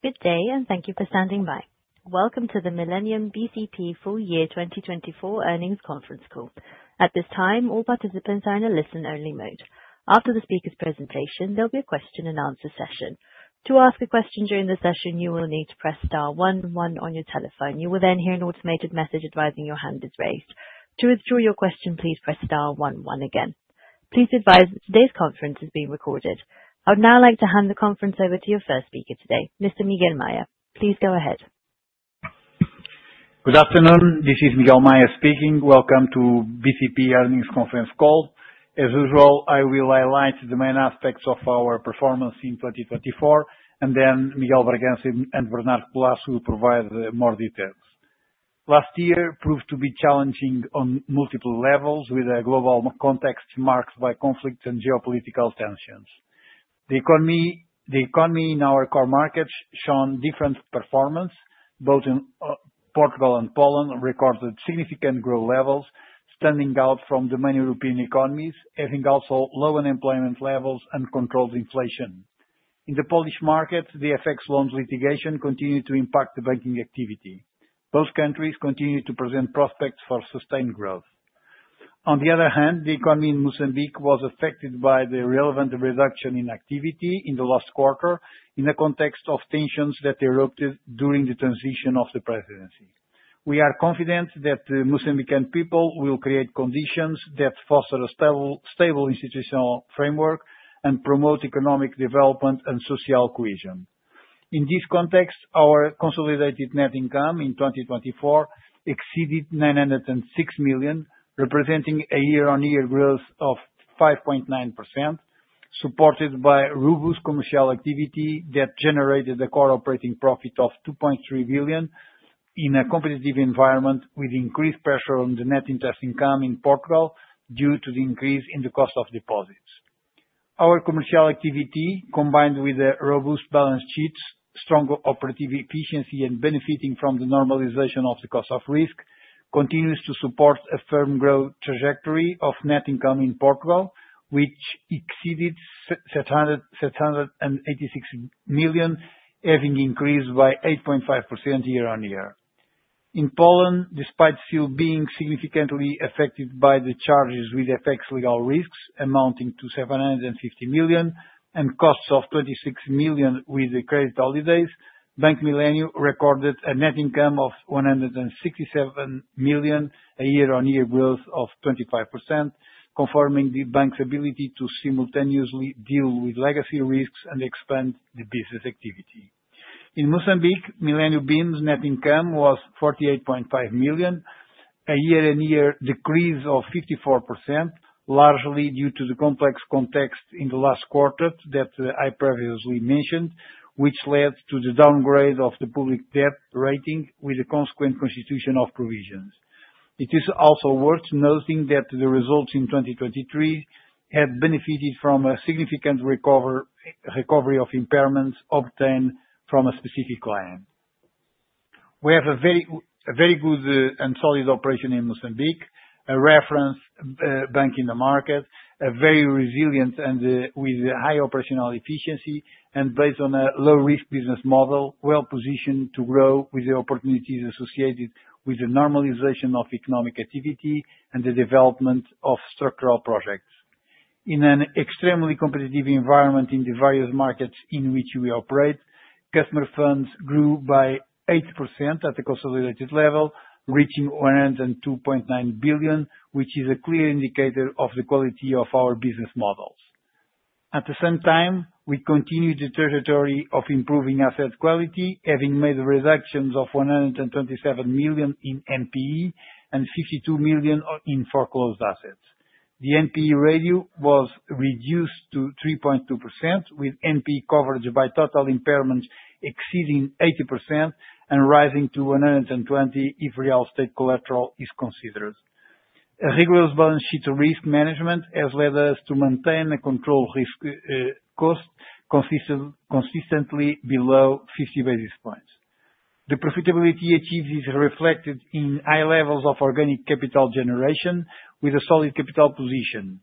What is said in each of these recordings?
Good day, and thank you for standing by. Welcome to the Millennium BCP Full Year 2024 Earnings Conference Call. At this time, all participants are in a listen-only mode. After the speaker's presentation, there'll be a question-and-answer session. To ask a question during the session, you will need to press star one one on your telephone. You will then hear an automated message advising your hand is raised. To withdraw your question, please press star one one again. Please advise that today's conference is being recorded. I would now like to hand the conference over to your first speaker today, Mr. Miguel Maya. Please go ahead. Good afternoon. This is Miguel Maya speaking. Welcome to the BCP Earnings Conference Call. As usual, I will highlight the main aspects of our performance in 2024, and then Miguel Bragança and Bernardo Roquette will provide more details. Last year proved to be challenging on multiple levels, with a global context marked by conflicts and geopolitical tensions. The economy in our core markets shown different performance. Both in Portugal and Poland recorded significant growth levels, standing out from the main European economies, having also low unemployment levels and controlled inflation. In the Polish market, the FX loans litigation continued to impact the banking activity. Both countries continue to present prospects for sustained growth. On the other hand, the economy in Mozambique was affected by the relevant reduction in activity in the last quarter in the context of tensions that erupted during the transition of the presidency. We are confident that the Mozambican people will create conditions that foster a stable institutional framework and promote economic development and social cohesion. In this context, our consolidated net income in 2024 exceeded 906 million, representing a year-on-year growth of 5.9%, supported by robust commercial activity that generated a core operating profit of 2.3 billion in a competitive environment with increased pressure on the net interest income in Portugal due to the increase in the cost of deposits. Our commercial activity, combined with robust balance sheets, strong operative efficiency, and benefiting from the normalization of the cost of risk, continues to support a firm growth trajectory of net income in Portugal, which exceeded 686 million, having increased by 8.5% year-on-year. In Poland, despite still being significantly affected by the charges with FX legal risks amounting to 750 million and costs of 26 million with the credit holidays, Bank Millennium recorded a net income of 167 million, a year-on-year growth of 25%, confirming the bank's ability to simultaneously deal with legacy risks and expand the business activity. In Mozambique, Millennium bim's net income was 48.5 million, a year-on-year decrease of 54%, largely due to the complex context in the last quarter that I previously mentioned, which led to the downgrade of the public debt rating with the consequent constitution of provisions. It is also worth noting that the results in 2023 had benefited from a significant recovery of impairments obtained from a specific client. We have a very good and solid operation in Mozambique, a reference bank in the market, very resilient and with high operational efficiency, and based on a low-risk business model, well positioned to grow with the opportunities associated with the normalization of economic activity and the development of structural projects. In an extremely competitive environment in the various markets in which we operate, customer funds grew by 8% at the consolidated level, reaching 102.9 billion, which is a clear indicator of the quality of our business models. At the same time, we continued the trajectory of improving asset quality, having made reductions of 127 million in NPE and 52 million in foreclosed assets. The NPE ratio was reduced to 3.2%, with NPE coverage by total impairments exceeding 80% and rising to 120% if real estate collateral is considered. A rigorous balance sheet risk management has led us to maintain a controlled risk cost consistently below 50 basis points. The profitability achieved is reflected in high levels of organic capital generation with a solid capital position,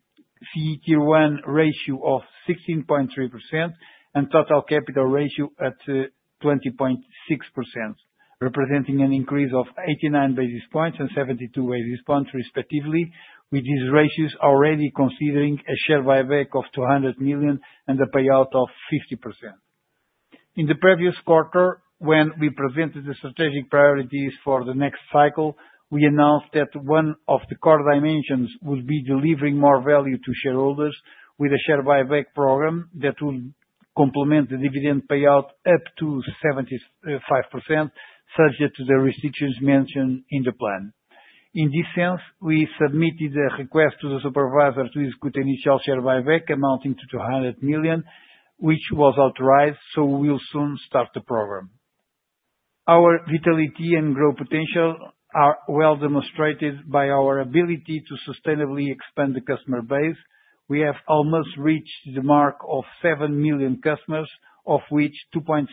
CET1 ratio of 16.3%, and Total Capital Ratio at 20.6%, representing an increase of 89 basis points and 72 basis points respectively, with these ratios already considering a share buyback of 200 million and a payout of 50%. In the previous quarter, when we presented the strategic priorities for the next cycle, we announced that one of the core dimensions would be delivering more value to shareholders with a share buyback program that would complement the dividend payout up to 75%, subject to the restrictions mentioned in the plan. In this sense, we submitted a request to the supervisor to execute initial share buyback amounting to 200 million, which was authorized, so we will soon start the program. Our vitality and growth potential are well demonstrated by our ability to sustainably expand the customer base. We have almost reached the mark of 7 million customers, of which 2.7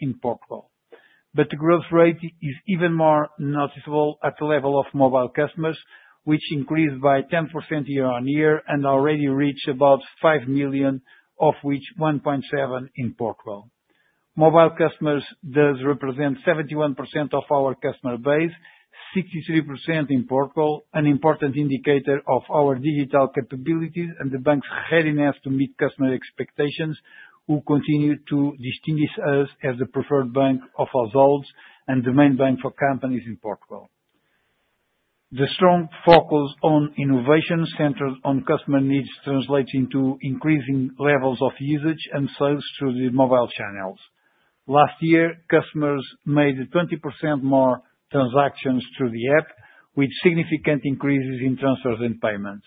in Portugal. But the growth rate is even more noticeable at the level of mobile customers, which increased by 10% year-on-year and already reached about 5 million, of which 1.7 in Portugal. Mobile customers do represent 71% of our customer base, 63% in Portugal, an important indicator of our digital capabilities and the bank's readiness to meet customer expectations, who continue to distinguish us as the preferred bank of all and the main bank for companies in Portugal. The strong focus on innovation centered on customer needs translates into increasing levels of usage and sales through the mobile channels. Last year, customers made 20% more transactions through the app, with significant increases in transfers and payments.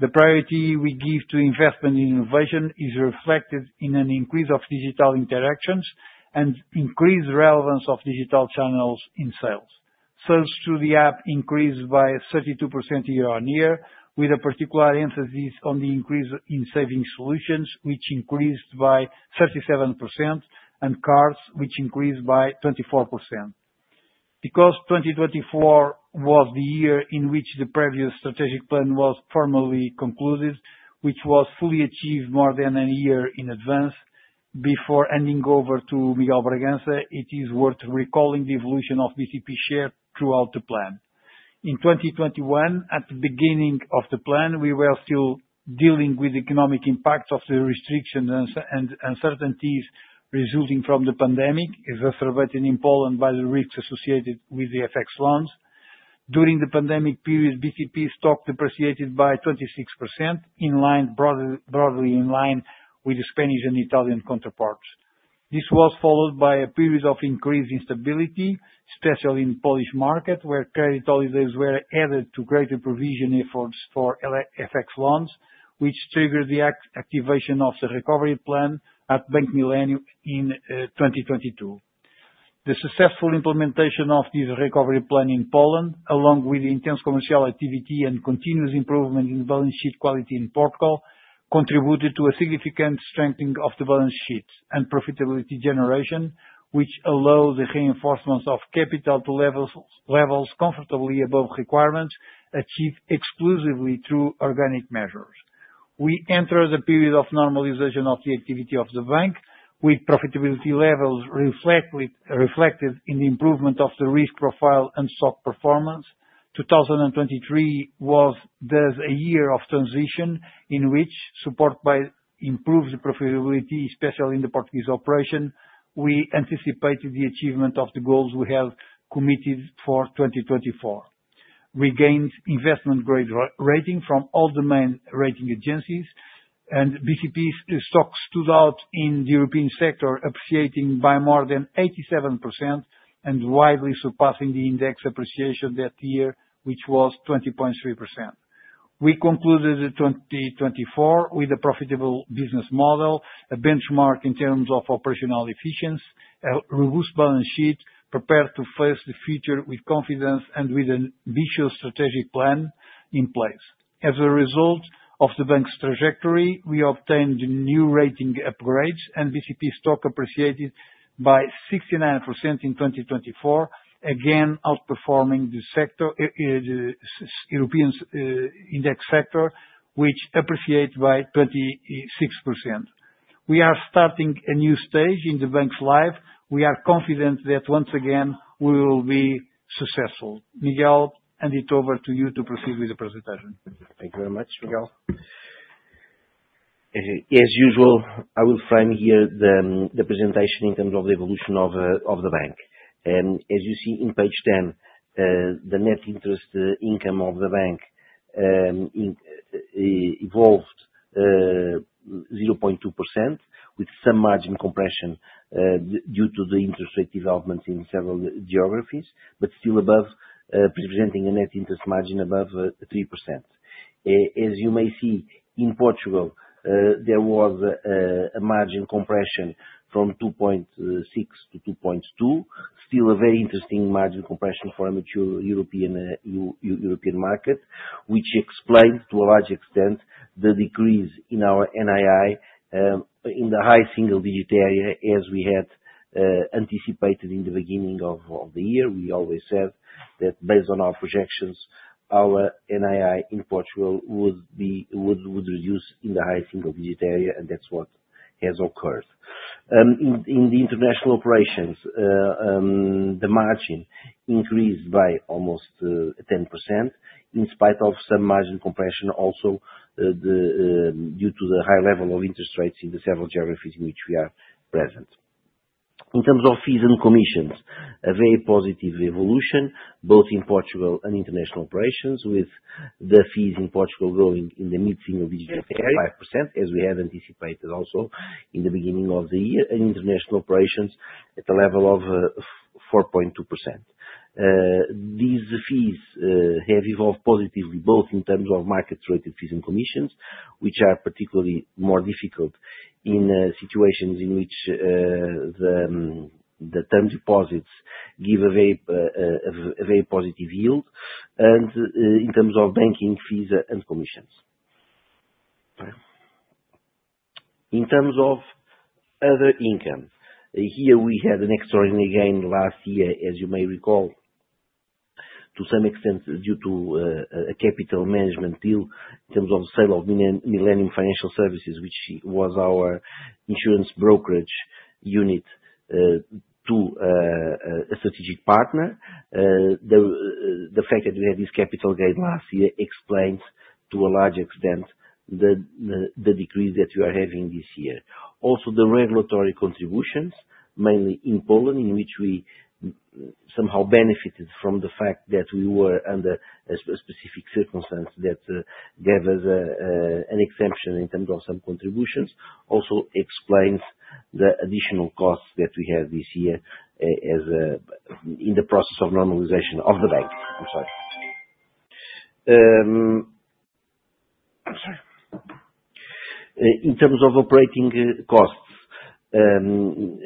The priority we give to investment in innovation is reflected in an increase of digital interactions and increased relevance of digital channels in sales. Sales through the app increased by 32% year-on-year, with a particular emphasis on the increase in savings solutions, which increased by 37%, and cards, which increased by 24%. Because 2024 was the year in which the previous strategic plan was formally concluded, which was fully achieved more than a year in advance, before handing over to Miguel Bragança, it is worth recalling the evolution of BCP's share throughout the plan. In 2021, at the beginning of the plan, we were still dealing with the economic impact of the restrictions and uncertainties resulting from the pandemic, exacerbated in Poland by the risks associated with the FX loans. During the pandemic period, BCP's stock depreciated by 26%, broadly in line with the Spanish and Italian counterparts. This was followed by a period of increased instability, especially in the Polish market, where credit holidays were added to greater provision efforts for FX loans, which triggered the activation of the recovery plan at Bank Millennium in 2022. The successful implementation of this recovery plan in Poland, along with the intense commercial activity and continuous improvement in balance sheet quality in Portugal, contributed to a significant strengthening of the balance sheet and profitability generation, which allowed the reinforcement of capital to levels comfortably above requirements achieved exclusively through organic measures. We entered a period of normalization of the activity of the bank, with profitability levels reflected in the improvement of the risk profile and stock performance. 2023 was thus a year of transition in which support improved the profitability, especially in the Portuguese operation. We anticipated the achievement of the goals we had committed for 2024. We gained investment-grade rating from all the main rating agencies, and BCP's stock stood out in the European sector, appreciating by more than 87% and widely surpassing the index appreciation that year, which was 20.3%. We concluded 2024 with a profitable business model, a benchmark in terms of operational efficiency, a robust balance sheet prepared to face the future with confidence and with an ambitious strategic plan in place. As a result of the bank's trajectory, we obtained new rating upgrades, and BCP's stock appreciated by 69% in 2024, again outperforming the European index sector, which appreciated by 26%. We are starting a new stage in the bank's life. We are confident that once again we will be successful. Miguel, hand it over to you to proceed with the presentation. Thank you very much, Miguel. As usual, I will frame here the presentation in terms of the evolution of the bank. As you see in page 10, the net interest income of the bank evolved 0.2%, with some margin compression due to the interest rate developments in several geographies, but still presenting a net interest margin above 3%. As you may see, in Portugal, there was a margin compression from 2.6% to 2.2%, still a very interesting margin compression for a European market, which explained to a large extent the decrease in our NII in the high single-digit area, as we had anticipated in the beginning of the year. We always said that based on our projections, our NII in Portugal would reduce in the high single-digit area, and that's what has occurred. In the international operations, the margin increased by almost 10% in spite of some margin compression, also due to the high level of interest rates in the several geographies in which we are present. In terms of fees and commissions, a very positive evolution, both in Portugal and international operations, with the fees in Portugal growing in the mid-single-digit area, 5%, as we had anticipated also in the beginning of the year, and international operations at a level of 4.2%. These fees have evolved positively both in terms of market-rated fees and commissions, which are particularly more difficult in situations in which the term deposits give a very positive yield, and in terms of banking fees and commissions. In terms of other income, here we had an extraordinary gain last year, as you may recall, to some extent due to a capital management deal in terms of the sale of Millennium Financial Services, which was our insurance brokerage unit to a strategic partner. The fact that we had this capital gain last year explains to a large extent the decrease that we are having this year. Also, the regulatory contributions, mainly in Poland, in which we somehow benefited from the fact that we were under a specific circumstance that gave us an exemption in terms of some contributions, also explains the additional costs that we have this year in the process of normalization of the bank. I'm sorry. In terms of operating costs,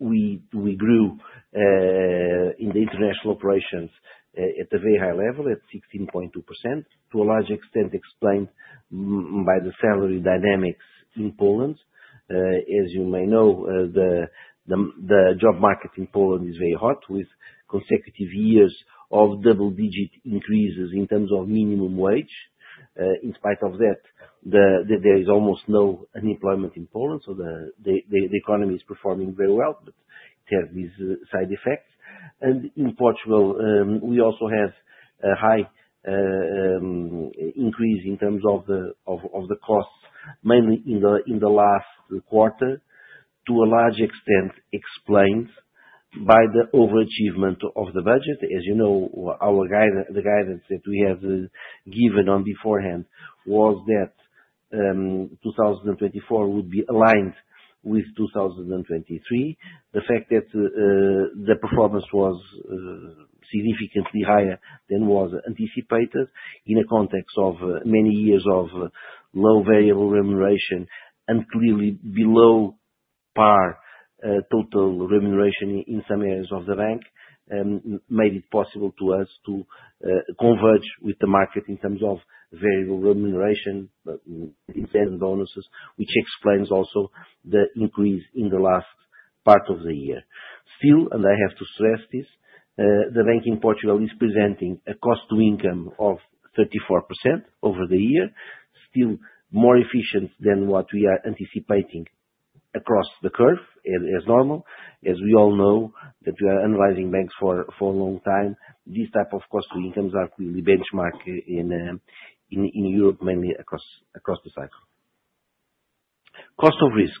we grew in the international operations at a very high level at 16.2%, to a large extent explained by the salary dynamics in Poland. As you may know, the job market in Poland is very hot, with consecutive years of double-digit increases in terms of minimum wage. In spite of that, there is almost no unemployment in Poland, so the economy is performing very well, but there are these side effects, and in Portugal, we also have a high increase in terms of the costs, mainly in the last quarter, to a large extent explained by the overachievement of the budget. As you know, the guidance that we have given beforehand was that 2024 would be aligned with 2023. The fact that the performance was significantly higher than was anticipated in a context of many years of low variable remuneration and clearly below par total remuneration in some areas of the bank made it possible to us to converge with the market in terms of variable remuneration and bonuses, which explains also the increase in the last part of the year. Still, and I have to stress this, the bank in Portugal is presenting a cost-to-income of 34% over the year, still more efficient than what we are anticipating across the curve, as normal. As we all know that we are analyzing banks for a long time, these types of cost-to-incomes are clearly benchmarked in Europe, mainly across the cycle. Cost of risk.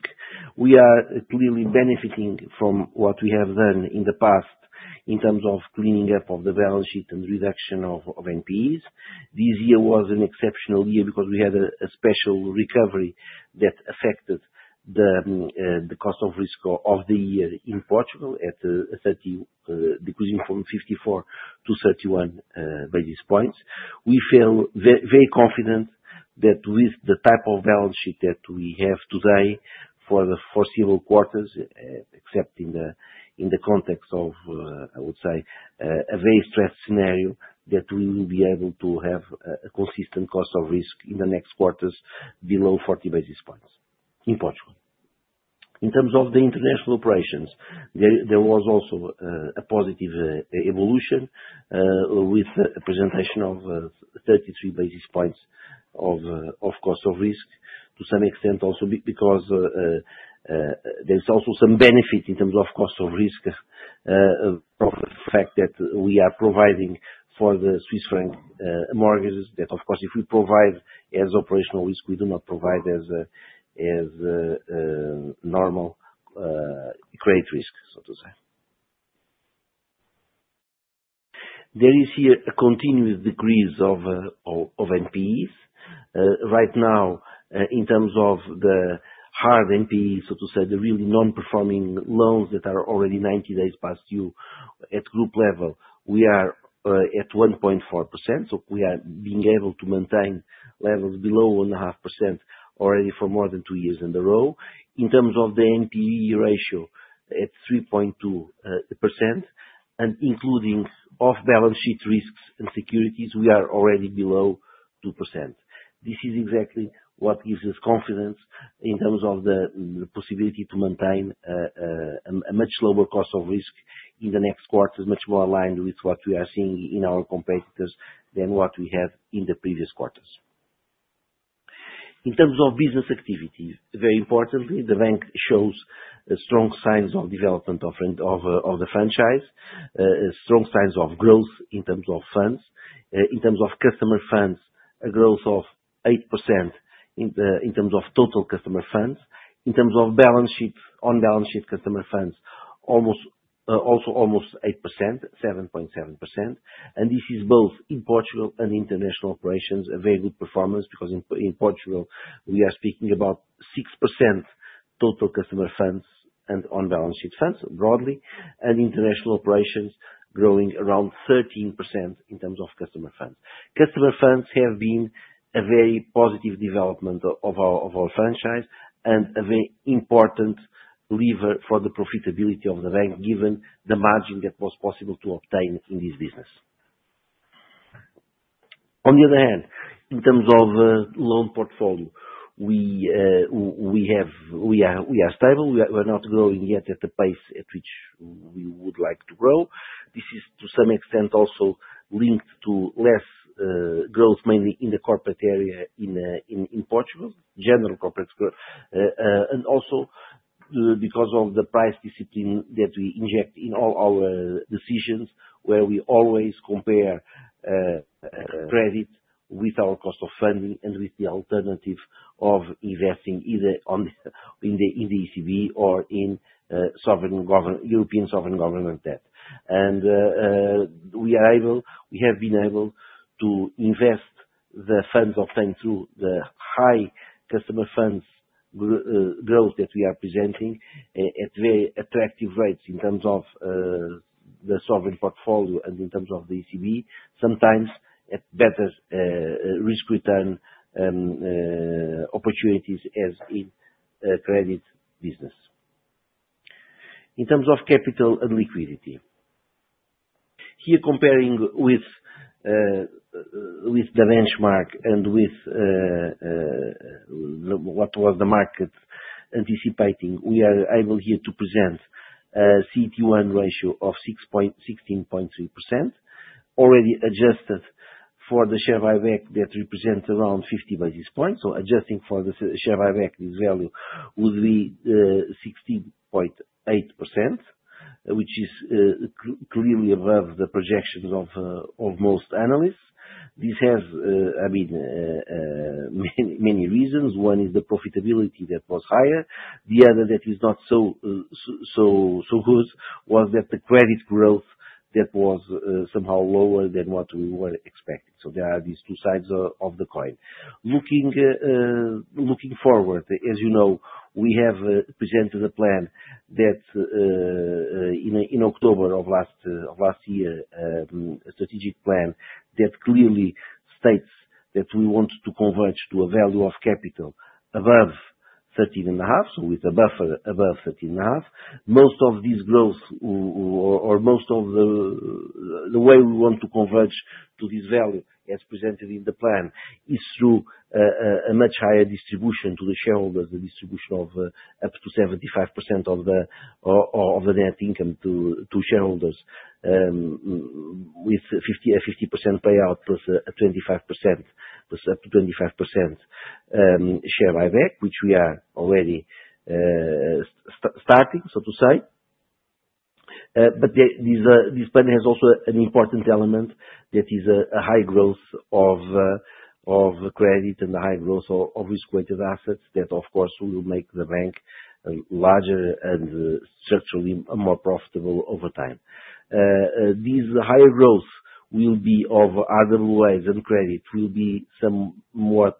We are clearly benefiting from what we have done in the past in terms of cleaning up of the balance sheet and reduction of NPEs. This year was an exceptional year because we had a special recovery that affected the cost of risk of the year in Portugal at a decrease from 54 to 31 basis points. We feel very confident that with the type of balance sheet that we have today for the foreseeable quarters, except in the context of, I would say, a very stressed scenario, that we will be able to have a consistent cost of risk in the next quarters below 40 basis points in Portugal. In terms of the international operations, there was also a positive evolution with a presentation of 33 basis points of cost of risk, to some extent also because there is also some benefit in terms of cost of risk of the fact that we are providing for the Swiss franc mortgages that, of course, if we provide as operational risk, we do not provide as normal credit risk, so to say. There is here a continued decrease of NPEs. Right now, in terms of the hard NPEs, so to say, the really non-performing loans that are already 90 days past due at group level, we are at 1.4%. So we are being able to maintain levels below 1.5% already for more than two years in a row. In terms of the NPE ratio at 3.2%, and including off-balance sheet risks and securities, we are already below 2%. This is exactly what gives us confidence in terms of the possibility to maintain a much lower cost of risk in the next quarter, much more aligned with what we are seeing in our competitors than what we had in the previous quarters. In terms of business activity, very importantly, the bank shows strong signs of development of the franchise, strong signs of growth in terms of funds. In terms of customer funds, a growth of 8% in terms of total customer funds. In terms of on-balance sheet customer funds, also almost 8%, 7.7%, and this is both in Portugal and international operations, a very good performance because in Portugal, we are speaking about 6% total customer funds and on-balance sheet funds broadly, and international operations growing around 13% in terms of customer funds. Customer funds have been a very positive development of our franchise and a very important lever for the profitability of the bank, given the margin that was possible to obtain in this business. On the other hand, in terms of loan portfolio, we are stable. We are not growing yet at the pace at which we would like to grow. This is, to some extent, also linked to less growth, mainly in the corporate area in Portugal, general corporate growth, and also because of the price discipline that we inject in all our decisions, where we always compare credit with our cost of funding and with the alternative of investing either in the ECB or in European sovereign government debt. We have been able to invest the funds obtained through the high customer funds growth that we are presenting at very attractive rates in terms of the sovereign portfolio and in terms of the ECB, sometimes at better risk-return opportunities as in credit business. In terms of capital and liquidity, here comparing with the benchmark and with what was the market anticipating, we are able here to present a CET1 ratio of 16.3%, already adjusted for the share buyback that represents around 50 basis points. Adjusting for the share buyback, this value would be 16.8%, which is clearly above the projections of most analysts. This has, I mean, many reasons. One is the profitability that was higher. The other that is not so good was that the credit growth that was somehow lower than what we were expecting. There are these two sides of the coin. Looking forward, as you know, we have presented a plan that in October of last year, a strategic plan that clearly states that we want to converge to a value of capital above 13.5, so with a buffer above 13.5. Most of this growth, or most of the way we want to converge to this value, as presented in the plan, is through a much higher distribution to the shareholders, a distribution of up to 75% of the net income to shareholders with a 50% payout plus a 25% plus up to 25% share buyback, which we are already starting, so to say. But this plan has also an important element that is a high growth of credit and a high growth of risk-weighted assets that, of course, will make the bank larger and structurally more profitable over time. This higher growth will be of RWAs and credit will be some more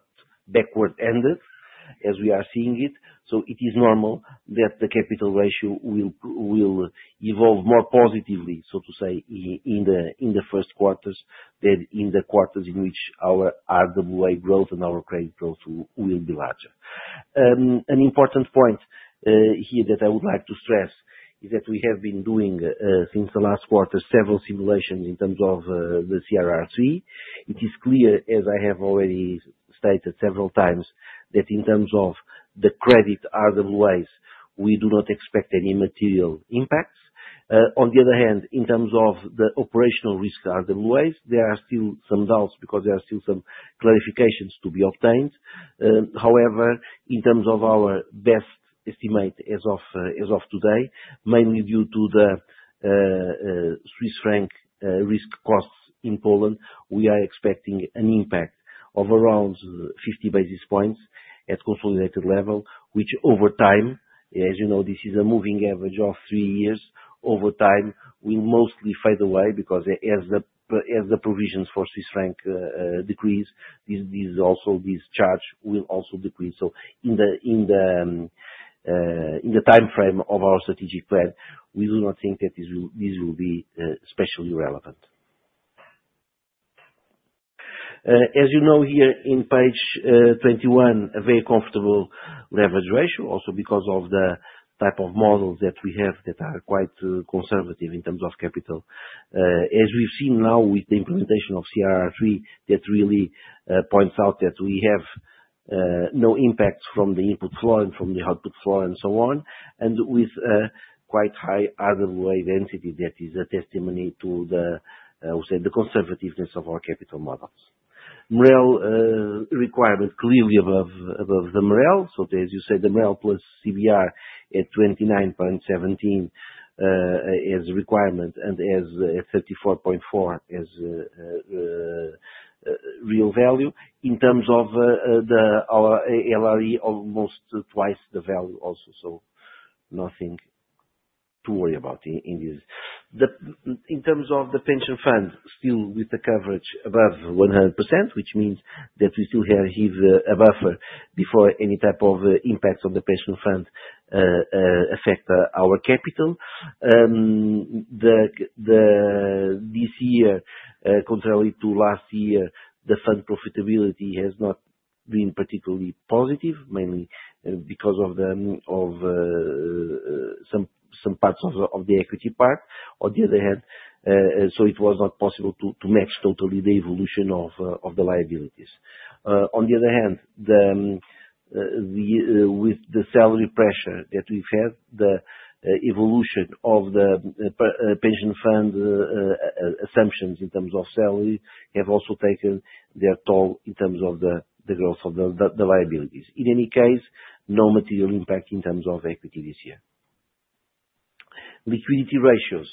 back-ended, as we are seeing it. So it is normal that the capital ratio will evolve more positively, so to say, in the first quarters than in the quarters in which our RWA growth and our credit growth will be larger. An important point here that I would like to stress is that we have been doing since the last quarter several simulations in terms of the CRR3. It is clear, as I have already stated several times, that in terms of the credit RWAs, we do not expect any material impacts. On the other hand, in terms of the operational risk RWAs, there are still some doubts because there are still some clarifications to be obtained. However, in terms of our best estimate as of today, mainly due to the Swiss franc risk costs in Poland, we are expecting an impact of around 50 basis points at consolidated level, which over time, as you know, this is a moving average of three years, over time will mostly fade away because as the provisions for Swiss franc decrease, also this charge will also decrease. So in the time frame of our strategic plan, we do not think that this will be especially relevant. As you know, here in page 21, a very comfortable leverage ratio, also because of the type of models that we have that are quite conservative in terms of capital. As we've seen now with the implementation of CRR3, that really points out that we have no impact from the input floor and from the output floor and so on, and with quite high RWA density that is a testimony to the conservativeness of our capital models. MREL requirement clearly above the MREL. So as you said, the MREL plus CBR at 29.17 as a requirement and at 34.4 as real value. In terms of the LRE, almost twice the value also. So nothing to worry about in this. In terms of the pension fund, still with the coverage above 100%, which means that we still have here a buffer before any type of impact on the pension fund affects our capital. This year, contrary to last year, the fund profitability has not been particularly positive, mainly because of some parts of the equity part. On the other hand, so it was not possible to match totally the evolution of the liabilities. On the other hand, with the salary pressure that we've had, the evolution of the pension fund assumptions in terms of salary have also taken their toll in terms of the growth of the liabilities. In any case, no material impact in terms of equity this year. Liquidity ratios,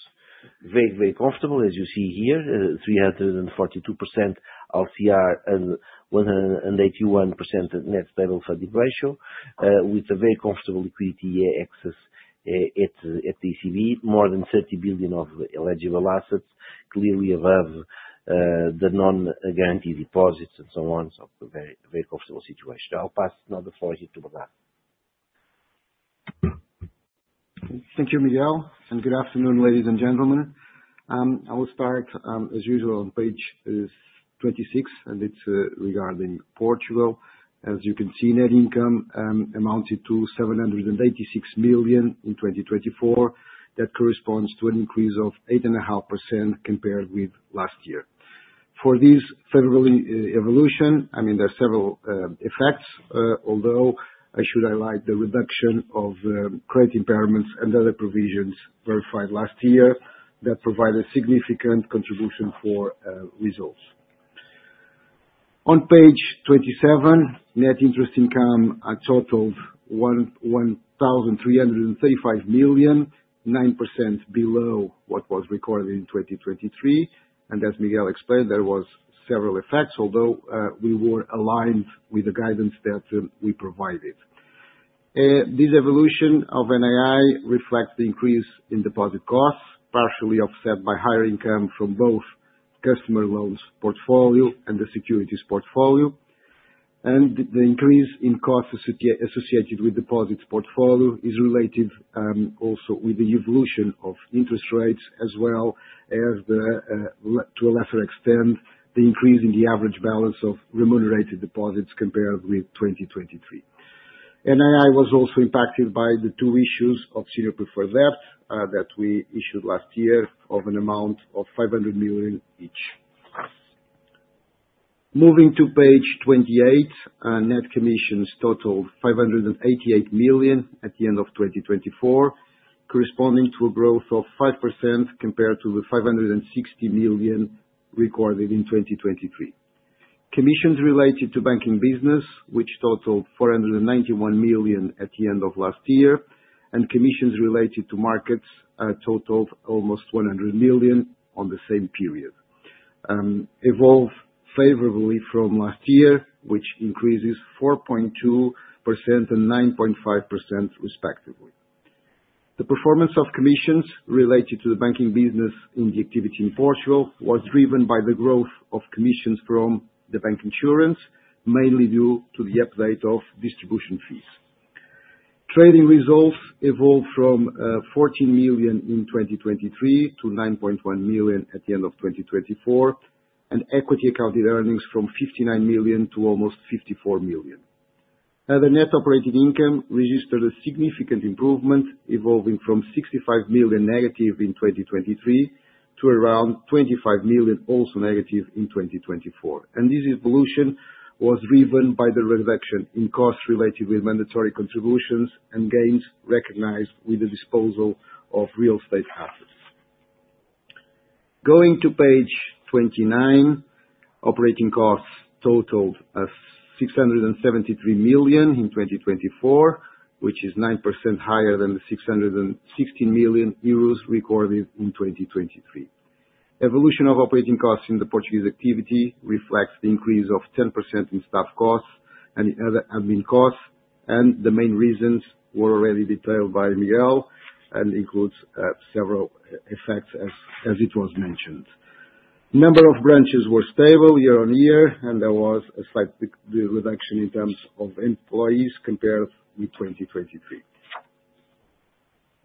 very, very comfortable, as you see here, 342% LCR and 181% net stable funding ratio, with a very comfortable liquidity excess at the ECB, more than 30 billion of eligible assets, clearly above the non-guaranteed deposits and so on, so a very comfortable situation. I'll pass now the floor here to Bernardo. Thank you, Miguel. Good afternoon, ladies and gentlemen. I will start, as usual, on page 26, and it's regarding Portugal. As you can see, net income amounted to 786 million in 2024. That corresponds to an increase of 8.5% compared with last year. For this favorable evolution, I mean, there are several effects, although I should highlight the reduction of credit impairments and other provisions verified last year that provided significant contribution for results. On page 27, net interest income totaled 1,335 million, 9% below what was recorded in 2023. And as Miguel explained, there were several effects, although we were aligned with the guidance that we provided. This evolution of NII reflects the increase in deposit costs, partially offset by higher income from both customer loans portfolio and the securities portfolio. And the increase in costs associated with deposits portfolio is related also with the evolution of interest rates, as well as, to a lesser extent, the increase in the average balance of remunerated deposits compared with 2023. NII was also impacted by the two issues of senior preferred debt that we issued last year of an amount of 500 million each. Moving to page 28, net commissions totaled 588 million at the end of 2024, corresponding to a growth of 5% compared to the 560 million recorded in 2023. Commissions related to banking business, which totaled 491 million at the end of last year, and commissions related to markets totaled almost 100 million on the same period, evolved favorably from last year, which increases 4.2% and 9.5%, respectively. The performance of commissions related to the banking business in the activity in Portugal was driven by the growth of commissions from the bank insurance, mainly due to the update of distribution fees. Trading results evolved from 14 million in 2023 to 9.1 million at the end of 2024, and equity accounted earnings from 59 million to almost 54 million. The net operating income registered a significant improvement, evolving from negative 65 million in 2023 to around negative 25 million in 2024. This evolution was driven by the reduction in costs related with mandatory contributions and gains recognized with the disposal of real estate assets. Going to page 29, operating costs totaled 673 million in 2024, which is 9% higher than the 616 million euros recorded in 2023. Evolution of operating costs in the Portuguese activity reflects the increase of 10% in staff costs and in other admin costs, and the main reasons were already detailed by Miguel and includes several effects, as it was mentioned. Number of branches were stable year on year, and there was a slight reduction in terms of employees compared with 2023.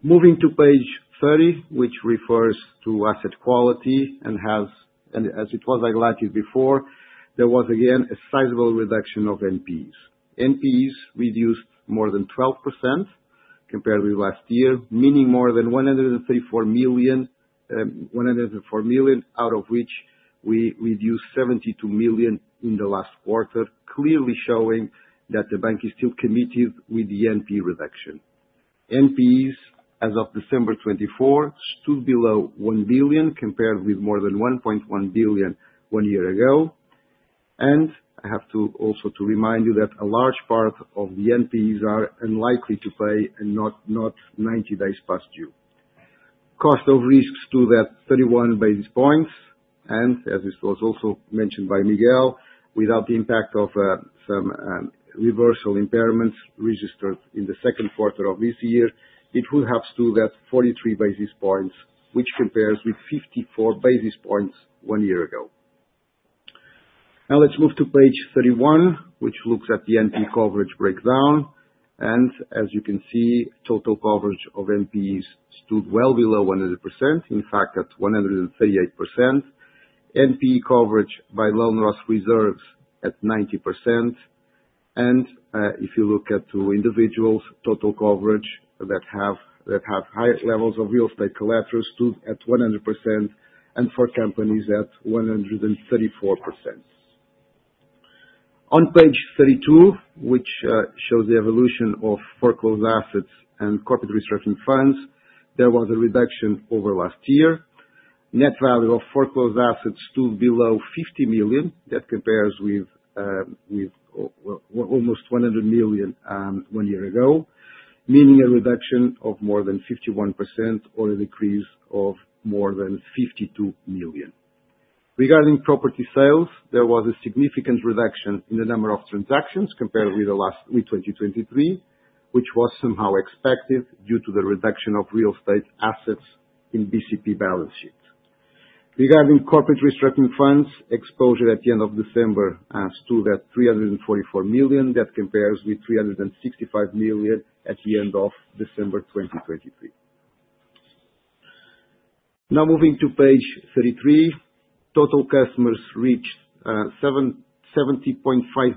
Moving to page 30, which refers to asset quality and has, as it was highlighted before, there was again a sizable reduction of NPs. NPs reduced more than 12% compared with last year, meaning more than 104 million, out of which we reduced 72 million in the last quarter, clearly showing that the bank is still committed with the NP reduction. NPs, as of December 2024, stood below 1 billion compared with more than 1.1 billion one year ago. I have to also remind you that a large part of the NPs are unlikely to pay and not 90 days past due. Cost of risks stood at 31 basis points. As this was also mentioned by Miguel, without the impact of some reversal impairments registered in the second quarter of this year, it would have stood at 43 basis points, which compares with 54 basis points one year ago. Now let's move to page 31, which looks at the NP coverage breakdown. As you can see, total coverage of NPs stood well below 100%, in fact at 138%. NP coverage by loan loss reserves at 90%. If you look at for individuals, total coverage that have higher levels of real estate collateral stood at 100% and for companies at 134%. On page 32, which shows the evolution of foreclosed assets and corporate restructuring funds, there was a reduction over last year. Net value of foreclosed assets stood below 50 million. That compares with almost 100 million one year ago, meaning a reduction of more than 51% or a decrease of more than 52 million. Regarding property sales, there was a significant reduction in the number of transactions compared with 2023, which was somehow expected due to the reduction of real estate assets in BCP balance sheets. Regarding corporate restructuring funds, exposure at the end of December stood at 344 million. That compares with 365 million at the end of December 2023. Now moving to page 33, total customer funds reached 70.5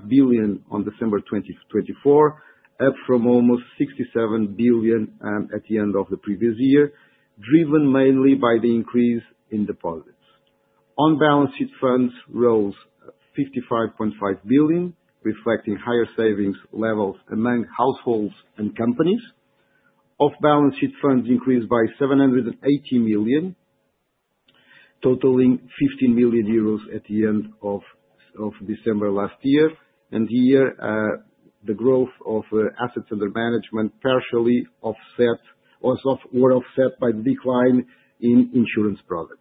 billion on December 2024, up from almost 67 billion at the end of the previous year, driven mainly by the increase in deposits. On-balance-sheet funds rose 55.5 billion, reflecting higher savings levels among households and companies. Off-balance-sheet funds increased by 780 million, totaling 15 million euros at the end of December last year. Here, the growth of assets under management partially were offset by the decline in insurance products.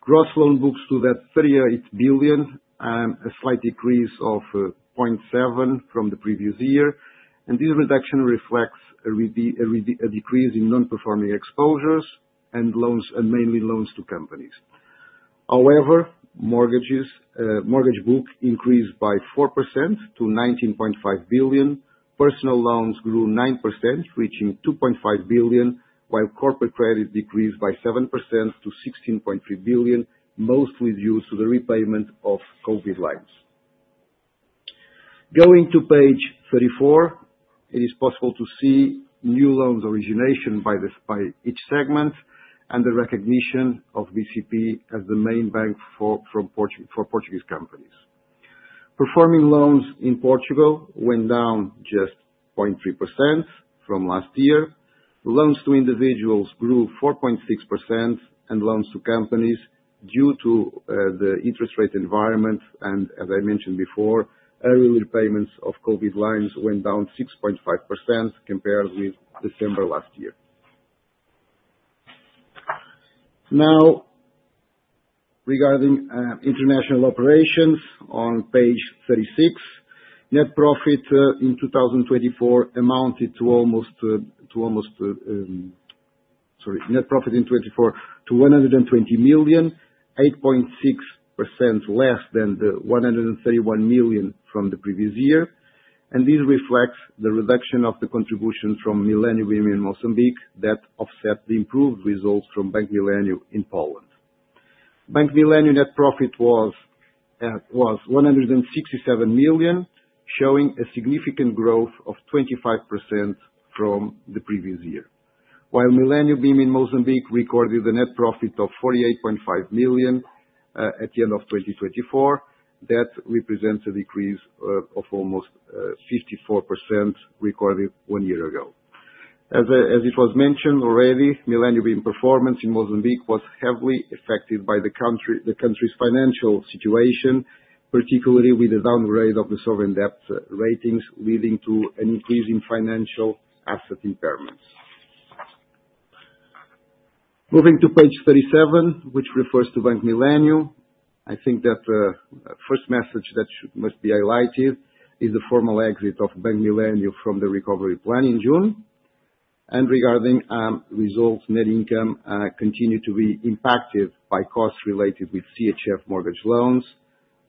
Gross loan books stood at 38 billion, a slight decrease of 0.7% from the previous year. This reduction reflects a decrease in non-performing exposures and mainly loans to companies. However, mortgage book increased by 4% to EUR 19.5 billion. Personal loans grew 9%, reaching EUR 2.5 billion, while corporate credit decreased by 7% to EUR 16.3 billion, mostly due to the repayment of COVID loans. Going to page 34, it is possible to see new loans origination by each segment and the recognition of BCP as the main bank for Portuguese companies. Performing loans in Portugal went down just 0.3% from last year. Loans to individuals grew 4.6% and loans to companies due to the interest rate environment. As I mentioned before, early repayments of COVID loans went down 6.5% compared with December last year. Now, regarding international operations on page 36, net profit in 2024 to EUR 120 million, 8.6% less than the 131 million from the previous year. This reflects the reduction of the contribution from Millennium in Mozambique that offset the improved results from Bank Millennium in Poland. Bank Millennium net profit was 167 million, showing a significant growth of 25% from the previous year. While Millennium in Mozambique recorded a net profit of 48.5 million at the end of 2024, that represents a decrease of almost 54% recorded one year ago. As it was mentioned already, Millennium performance in Mozambique was heavily affected by the country's financial situation, particularly with the downgrade of the sovereign debt ratings, leading to an increase in financial asset impairments. Moving to page 37, which refers to Bank Millennium. I think that the first message that must be highlighted is the formal exit of Bank Millennium from the recovery plan in June, and regarding results, net income continued to be impacted by costs related with CHF mortgage loans.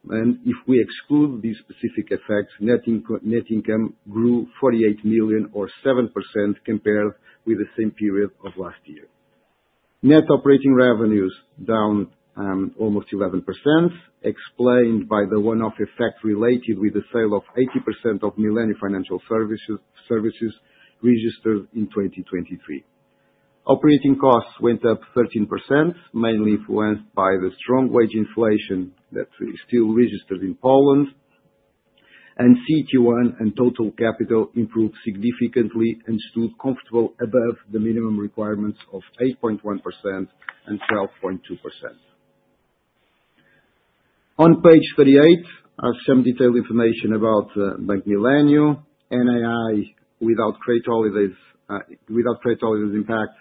And if we exclude these specific effects, net income grew 48 million, or 7%, compared with the same period of last year. Net operating revenues down almost 11%, explained by the one-off effect related with the sale of 80% of Millennium Financial Services registered in 2023. Operating costs went up 13%, mainly influenced by the strong wage inflation that is still registered in Poland, and CET1 and total capital improved significantly and stood comfortably above the minimum requirements of 8.1% and 12.2%. On page 38, some detailed information about Bank Millennium. NII without credit holidays impact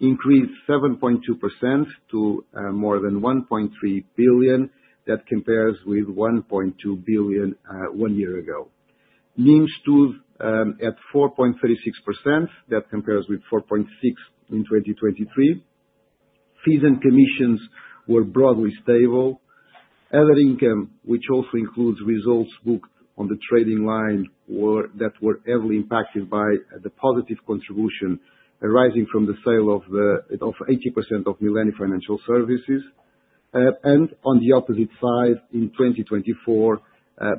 increased 7.2% to more than 1.3 billion. That compares with 1.2 billion one year ago. NIM stood at 4.36%. That compares with 4.6% in 2023. Fees and commissions were broadly stable. Other income, which also includes results booked on the trading line, that were heavily impacted by the positive contribution arising from the sale of 80% of Millennium Financial Services. On the opposite side, in 2024,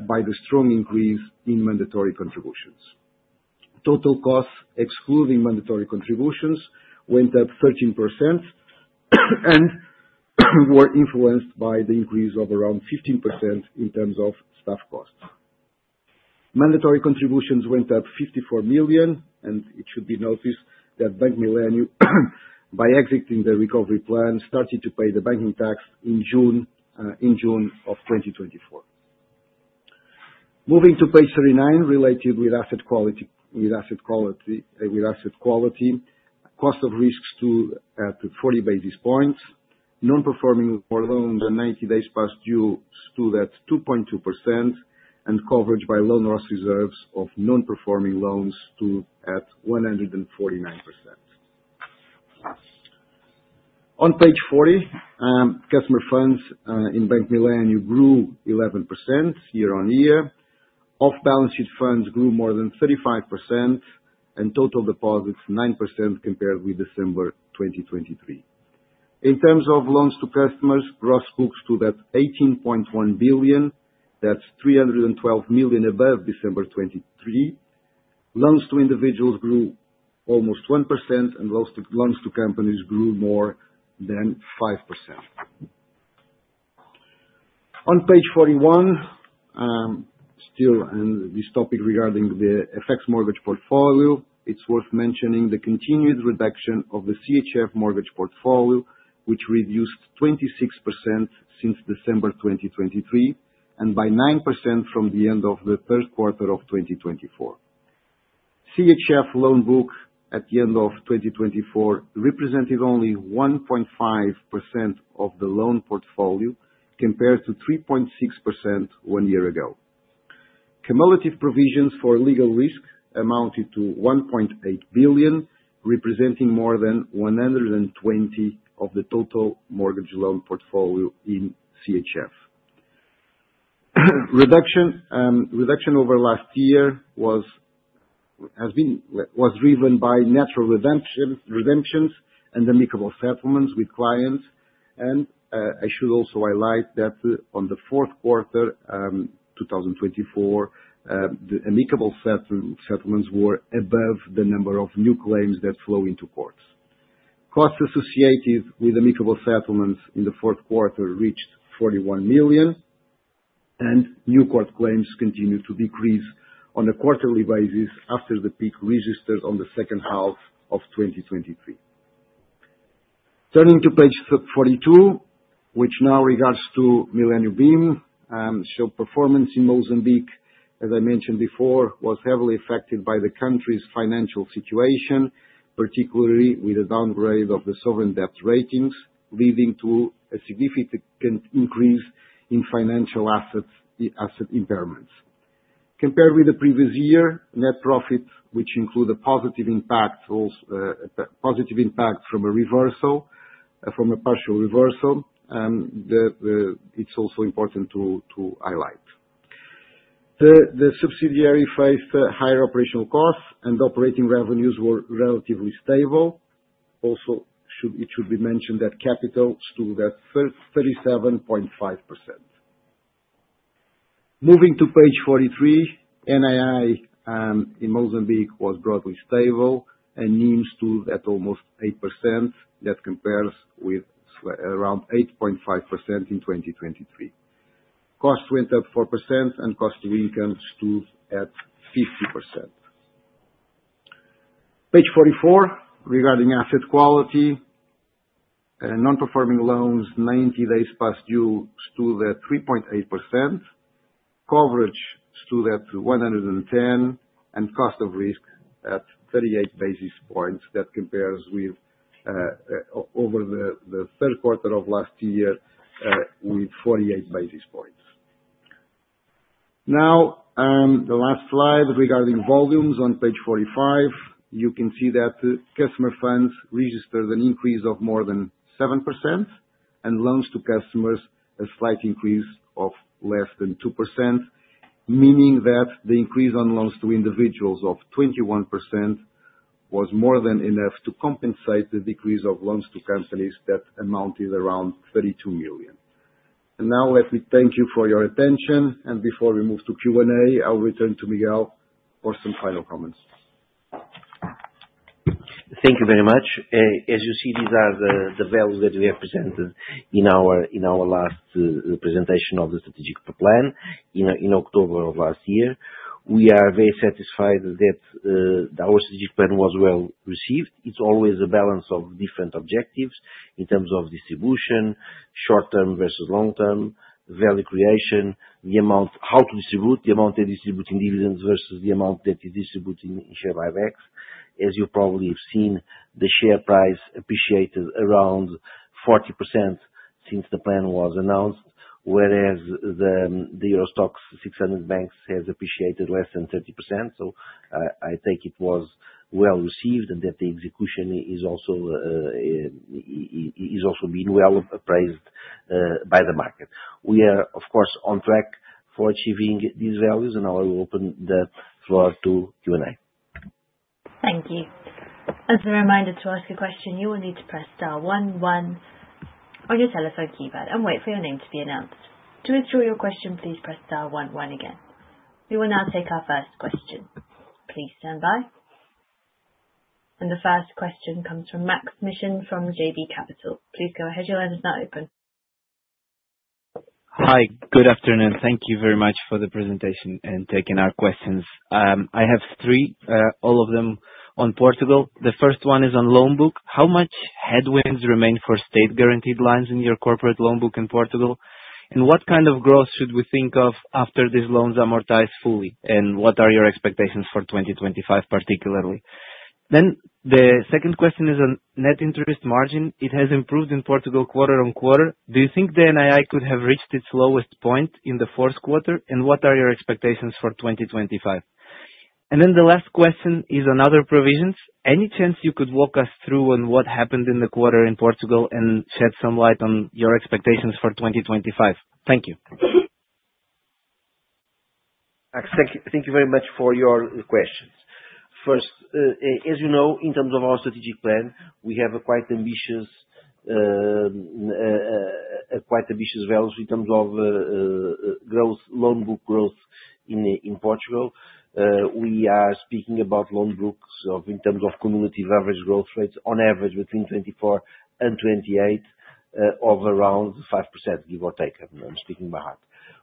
by the strong increase in mandatory contributions. Total costs, excluding mandatory contributions, went up 13% and were influenced by the increase of around 15% in terms of staff costs. Mandatory contributions went up 54 million. It should be noticed that Bank Millennium, by exiting the recovery plan, started to pay the banking tax in June of 2024. Moving to page 39, related with asset quality. Cost of risk stood at 40 basis points. Non-performing loans and 90 days past due stood at 2.2%, and coverage by loan loss reserves of non-performing loans stood at 149%. On page 40, customer funds in Bank Millennium grew 11% year on year. Off-balance sheet funds grew more than 35% and total deposits 9% compared with December 2023. In terms of loans to customers, gross books stood at 18.1 billion. That's 312 million above December 2023. Loans to individuals grew almost 1% and loans to companies grew more than 5%. On page 41, still on this topic regarding the FX mortgage portfolio, it's worth mentioning the continued reduction of the CHF mortgage portfolio, which reduced 26% since December 2023 and by 9% from the end of the third quarter of 2024. CHF loan book at the end of 2024 represented only 1.5% of the loan portfolio compared to 3.6% one year ago. Cumulative provisions for legal risk amounted to 1.8 billion, representing more than 120% of the total mortgage loan portfolio in CHF. Reduction over last year was driven by natural redemptions and amicable settlements with clients, and I should also highlight that on the fourth quarter 2024, the amicable settlements were above the number of new claims that flow into courts. Costs associated with amicable settlements in the fourth quarter reached 41 million, and new court claims continued to decrease on a quarterly basis after the peak registered on the second half of 2023. Turning to page 42, which now regards Millennium bim. Show performance in Mozambique, as I mentioned before, was heavily affected by the country's financial situation, particularly with a downgrade of the sovereign debt ratings, leading to a significant increase in financial asset impairments. Compared with the previous year, net profit, which included a positive impact from a partial reversal. It's also important to highlight. The subsidiary faced higher operational costs and operating revenues were relatively stable. Also, it should be mentioned that capital stood at 37.5%. Moving to page 43, NII in Mozambique was broadly stable and NIM stood at almost 8%. That compares with around 8.5% in 2023. Costs went up 4% and cost to income stood at 50%. Page 44, regarding asset quality, non-performing loans 90 days past due stood at 3.8%. Coverage stood at 110% and cost of risk at 38 basis points. That compares with the third quarter of last year with 48 basis points. Now, the last slide regarding volumes on page 45, you can see that customer funds registered an increase of more than 7% and loans to customers a slight increase of less than 2%, meaning that the increase on loans to individuals of 21% was more than enough to compensate the decrease of loans to companies that amounted around 32 million. And now, let me thank you for your attention. And before we move to Q&A, I'll return to Miguel for some final comments. Thank you very much. As you see, these are the values that we represented in our last presentation of the strategic plan in October of last year. We are very satisfied that our strategic plan was well received. It's always a balance of different objectives in terms of distribution, short-term versus long-term, value creation, the amount, how to distribute, the amount they distribute in dividends versus the amount that is distributed in share buybacks. As you probably have seen, the share price appreciated around 40% since the plan was announced, whereas the Euro Stoxx 600 banks have appreciated less than 30%. So I take it was well received and that the execution is also being well appraised by the market. We are, of course, on track for achieving these values, and now I will open the floor to Q&A. Thank you. As a reminder to ask a question, you will need to press star one one on your telephone keypad and wait for your name to be announced. To withdraw your question, please press star one one again. We will now take our first question. Please stand by. The first question comes from Maksym Mishyn from JB Capital. Please go ahead. Your line is now open. Hi. Good afternoon. Thank you very much for the presentation and taking our questions. I have three, all of them on Portugal. The first one is on loan book. How much headwinds remain for state-guaranteed lines in your corporate loan book in Portugal? And what kind of growth should we think of after these loans amortize fully? And what are your expectations for 2025, particularly? The second question is on net interest margin. It has improved in Portugal quarter on quarter. Do you think the NIM could have reached its lowest point in the fourth quarter? And what are your expectations for 2025? The last question is on other provisions. Any chance you could walk us through on what happened in the quarter in Portugal and shed some light on your expectations for 2025? Thank you. Thank you very much for your questions. First, as you know, in terms of our strategic plan, we have quite ambitious values in terms of loan book growth in Portugal. We are speaking about loan books in terms of cumulative average growth rates on average between 2024 and 2028 of around 5%, give or take. I'm speaking about.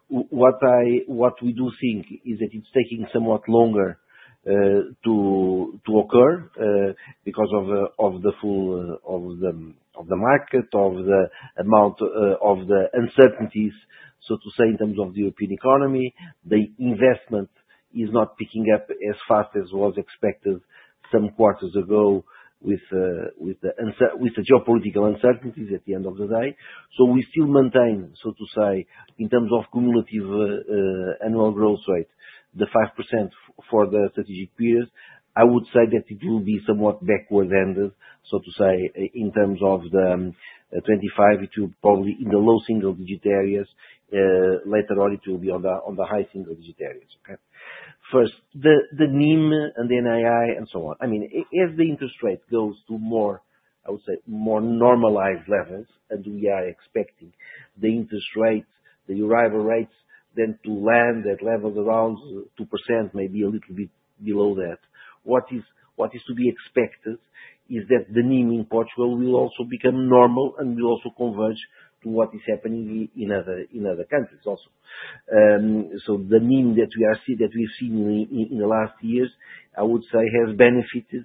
What we do think is that it's taking somewhat longer to occur because of the feel of the market, of the amount of the uncertainties. So to say, in terms of the European economy, the investment is not picking up as fast as was expected some quarters ago with the geopolitical uncertainties at the end of the day. So we still maintain, so to say, in terms of cumulative annual growth rate, the 5% for the strategic period. I would say that it will be somewhat backward-ended, so to say, in terms of 2025, it will probably in the low single-digit areas. Later on, it will be on the high single-digit areas. First, the NIM and the NAI and so on. I mean, as the interest rate goes to more, I would say, more normalized levels, and we are expecting the interest rate, the Euribor rates then to land at levels around 2%, maybe a little bit below that. What is to be expected is that the NIM in Portugal will also become normal and will also converge to what is happening in other countries also. The NIM that we have seen in the last years, I would say, has benefited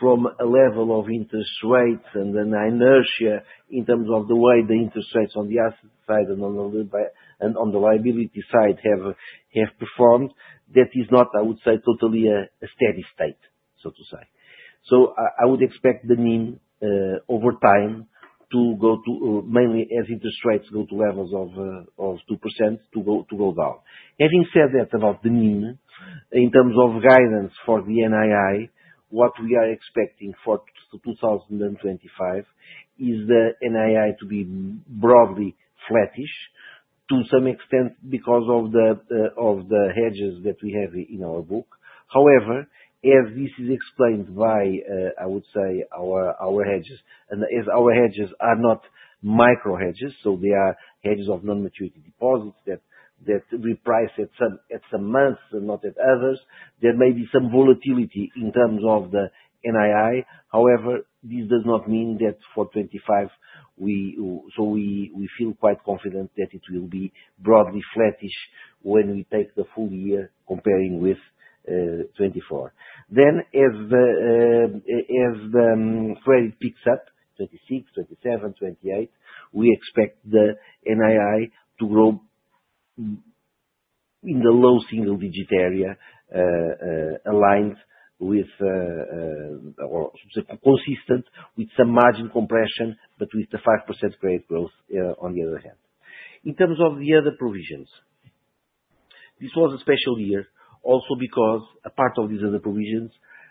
from a level of interest rates and an inertia in terms of the way the interest rates on the asset side and on the liability side have performed. That is not, I would say, totally a steady state, so to say. I would expect the NIM over time to go to mainly as interest rates go to levels of 2% to go down. Having said that about the NIM, in terms of guidance for the NII, what we are expecting for 2025 is the NII to be broadly flattish to some extent because of the hedges that we have in our book. However, as this is explained by, I would say, our hedges, and as our hedges are not micro hedges, so they are hedges of non-maturity deposits that reprice at some months and not at others, there may be some volatility in terms of the NII. However, this does not mean that for 2025, so we feel quite confident that it will be broadly flattish when we take the full year comparing with 2024. Then as the credit picks up, 2026, 2027, 2028, we expect the NII to grow in the low single-digit area aligned with or consistent with some margin compression, but with the 5% credit growth on the other hand. In terms of the other provisions, this was a special year also because a part of these other provisions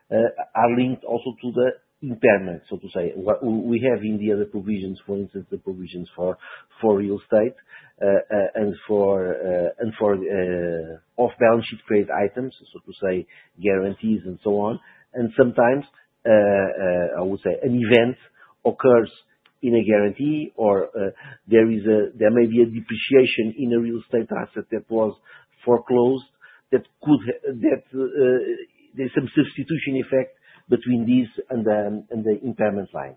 are linked also to the impairments. So, to say, we have in the other provisions, for instance, the provisions for real estate and for off-balance sheet credit items, so to say, guarantees and so on. And sometimes, I would say, an event occurs in a guarantee or there may be a depreciation in a real estate asset that was foreclosed, that there's some substitution effect between these and the impairment line.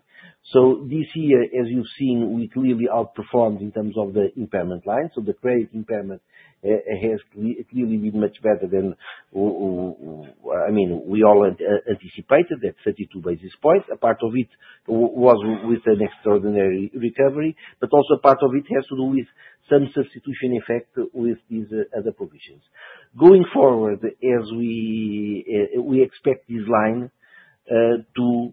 So this year, as you've seen, we clearly outperformed in terms of the impairment line. So the credit impairment has clearly been much better than, I mean, we all anticipated, that 32 basis points. A part of it was with an extraordinary recovery, but also a part of it has to do with some substitution effect with these other provisions. Going forward, as we expect this line to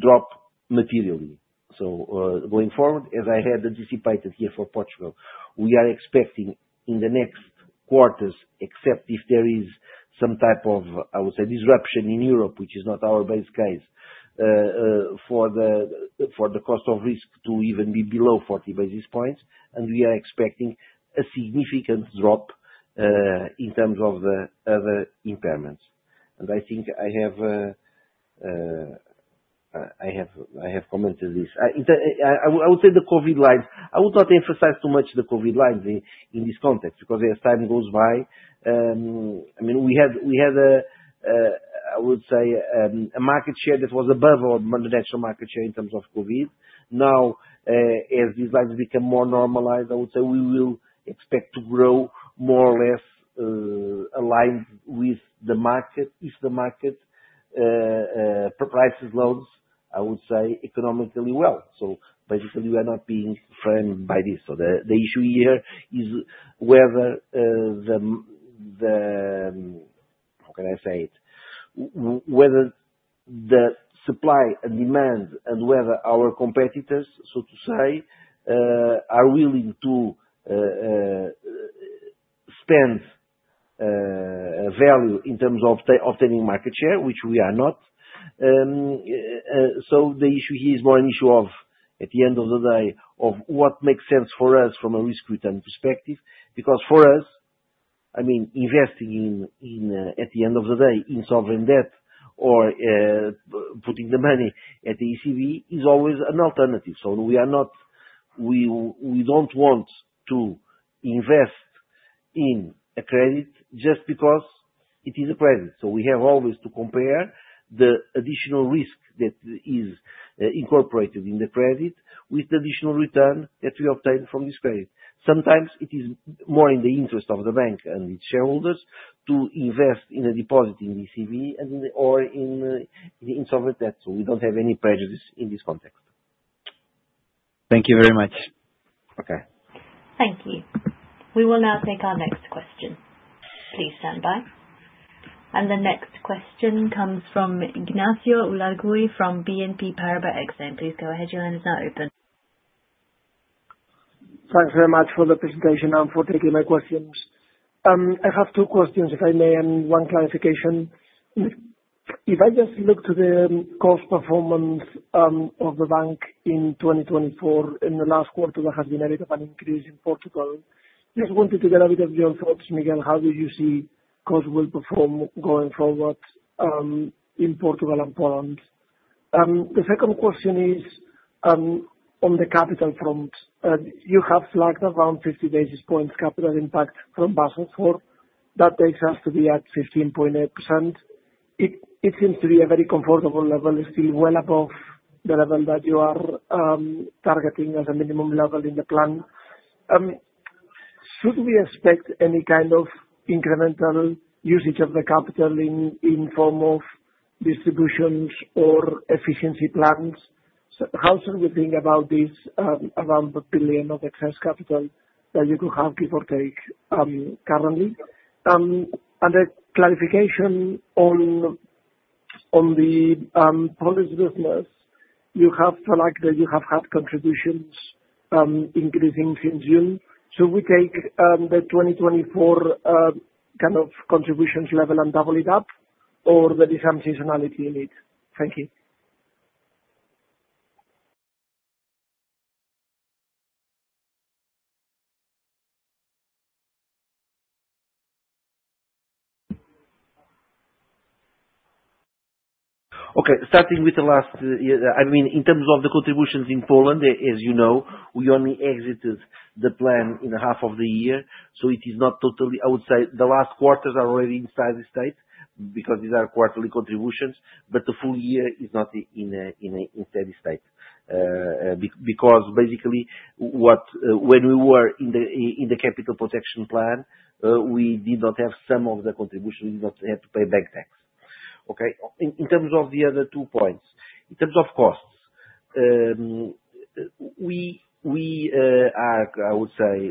drop materially. So going forward, as I had anticipated here for Portugal, we are expecting in the next quarters, except if there is some type of, I would say, disruption in Europe, which is not our base case, for the cost of risk to even be below 40 basis points. And we are expecting a significant drop in terms of the other impairments. And I think I have commented this. I would say the COVID lines, I would not emphasize too much the COVID lines in this context because as time goes by, I mean, we had, I would say, a market share that was above our national market share in terms of COVID. Now, as these lines become more normalized, I would say we will expect to grow more or less aligned with the market if the market prices loans, I would say, economically well. Basically, we are not being framed by this. The issue here is whether the, how can I say it, whether the supply and demand and whether our competitors, so to say, are willing to spend value in terms of obtaining market share, which we are not. The issue here is more an issue of, at the end of the day, of what makes sense for us from a risk-return perspective. Because for us, I mean, investing in, at the end of the day, in sovereign debt or putting the money at the ECB is always an alternative. We don't want to invest in a credit just because it is a credit. We have always to compare the additional risk that is incorporated in the credit with the additional return that we obtain from this credit. Sometimes it is more in the interest of the bank and its shareholders to invest in a deposit in the ECB or in sovereign debt. So we don't have any prejudice in this context. Thank you very much. Okay. Thank you. We will now take our next question. Please stand by, and the next question comes from Ignacio Ulargui from BNP Paribas Exane. Please go ahead. Your line is now open. Thanks very much for the presentation and for taking my questions. I have two questions, if I may, and one clarification. If I just look to the cost performance of the bank in 2024, in the last quarter, there has been a bit of an increase in Portugal. Just wanted to get a bit of your thoughts, Miguel, how do you see cost will perform going forward in Portugal and Poland? The second question is on the capital front. You have flagged around 50 basis points capital impact from Basel IV. That takes us to be at 15.8%. It seems to be a very comfortable level, still well above the level that you are targeting as a minimum level in the plan. Should we expect any kind of incremental usage of the capital in form of distributions or efficiency plans? How should we think about this around 1 billion of excess capital that you could have, give or take, currently? And a clarification on the Polish business, you have flagged that you have had contributions increasing since June. Should we take the 2024 kind of contributions level and double it up, or there is some seasonality in it? Thank you. Okay. Starting with the last, I mean, in terms of the contributions in Poland, as you know, we only exited the plan in half of the year. So it is not totally, I would say, the last quarters are already in steady state because these are quarterly contributions, but the full year is not in steady state because basically when we were in the capital protection plan, we did not have some of the contributions. We did not have to pay bank tax. Okay. In terms of the other two points, in terms of costs, we are, I would say,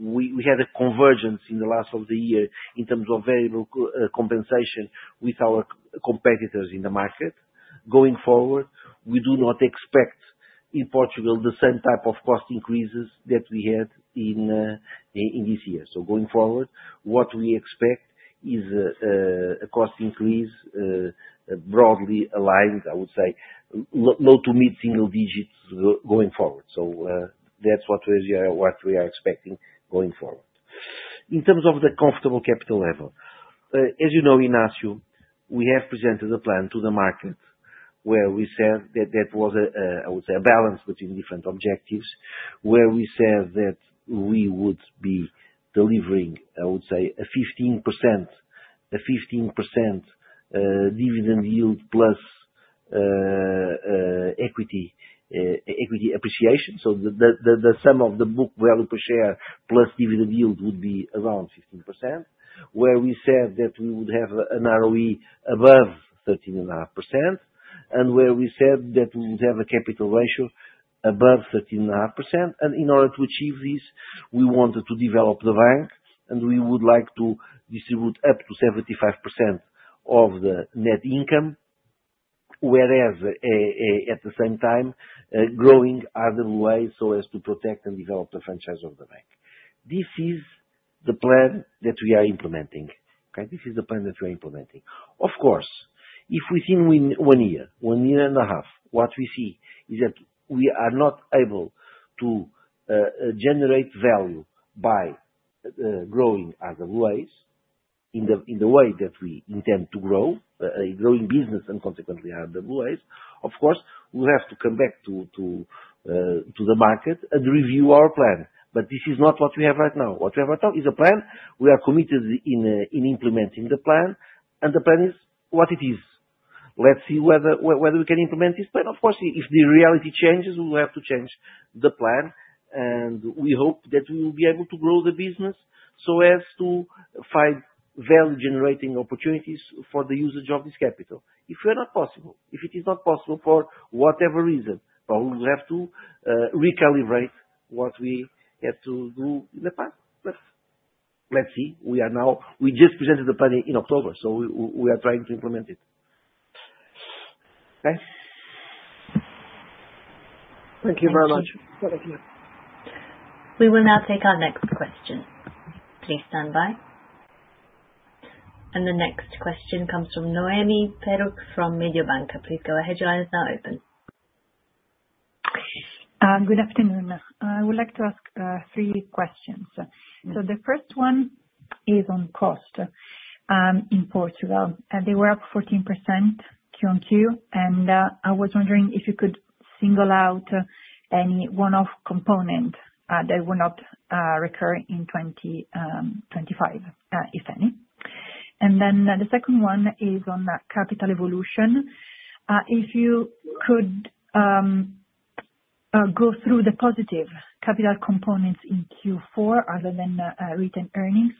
we had a convergence in the last of the year in terms of variable compensation with our competitors in the market. Going forward, we do not expect in Portugal the same type of cost increases that we had in this year. So going forward, what we expect is a cost increase broadly aligned, I would say, low to mid-single digits going forward. So that's what we are expecting going forward. In terms of the comfortable capital level, as you know, Ignacio, we have presented a plan to the market where we said that that was, I would say, a balance between different objectives where we said that we would be delivering, I would say, a 15% dividend yield plus equity appreciation. So the sum of the book value per share plus dividend yield would be around 15%, where we said that we would have an ROE above 13.5%, and where we said that we would have a capital ratio above 13.5%. And in order to achieve this, we wanted to develop the bank, and we would like to distribute up to 75% of the net income, whereas at the same time, growing RWA so as to protect and develop the franchise of the bank. This is the plan that we are implementing. Okay? This is the plan that we are implementing. Of course, if within one year, one year and a half, what we see is that we are not able to generate value by growing RWAs in the way that we intend to grow, growing business and consequently RWAs. Of course, we have to come back to the market and review our plan. But this is not what we have right now. What we have right now is a plan. We are committed in implementing the plan, and the plan is what it is. Let's see whether we can implement this plan. Of course, if the reality changes, we will have to change the plan, and we hope that we will be able to grow the business so as to find value-generating opportunities for the usage of this capital. If we are not possible, if it is not possible for whatever reason, probably we'll have to recalibrate what we had to do in the past. But let's see. We just presented the plan in October, so we are trying to implement it. Okay? Thank you very much. Thank you. We will now take our next question. Please stand by. And the next question comes from Noemi Peruch from Mediobanca. Please go ahead. Your line is now open. Good afternoon. I would like to ask three questions. So the first one is on cost in Portugal. They were up 14% Q1Q, and I was wondering if you could single out any one-off component that will not recur in 2025, if any. And then the second one is on capital evolution. If you could go through the positive capital components in Q4 other than written earnings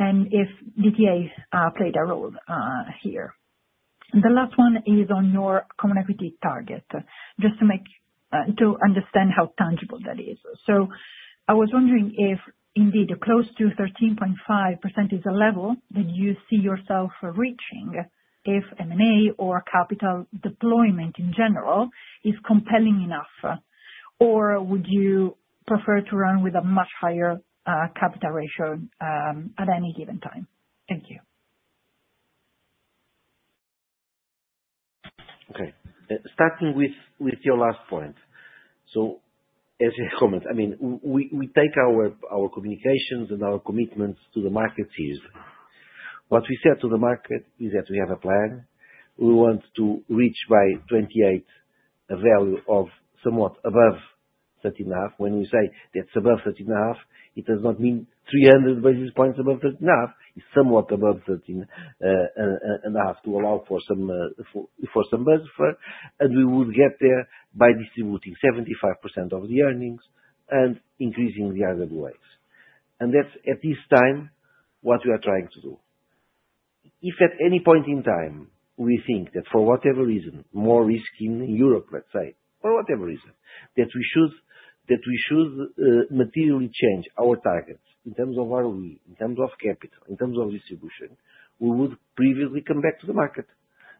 and if DTA played a role here. The last one is on your common equity target, just to understand how tangible that is. So I was wondering if indeed close to 13.5% is a level that you see yourself reaching if M&A or capital deployment in general is compelling enough, or would you prefer to run with a much higher capital ratio at any given time? Thank you. Okay. Starting with your last point. So as you comment, I mean, we take our communications and our commitments to the market seriously. What we said to the market is that we have a plan. We want to reach by 2028 a value of somewhat above 13.5%. When we say that's above 13.5%, it does not mean 300 basis points above 13.5%. It's somewhat above 13.5% to allow for some buffer, and we would get there by distributing 75% of the earnings and increasing the RWAs, and that's, at this time, what we are trying to do. If at any point in time we think that for whatever reason, more risk in Europe, let's say, for whatever reason, that we should materially change our targets in terms of ROE, in terms of capital, in terms of distribution, we would previously come back to the market,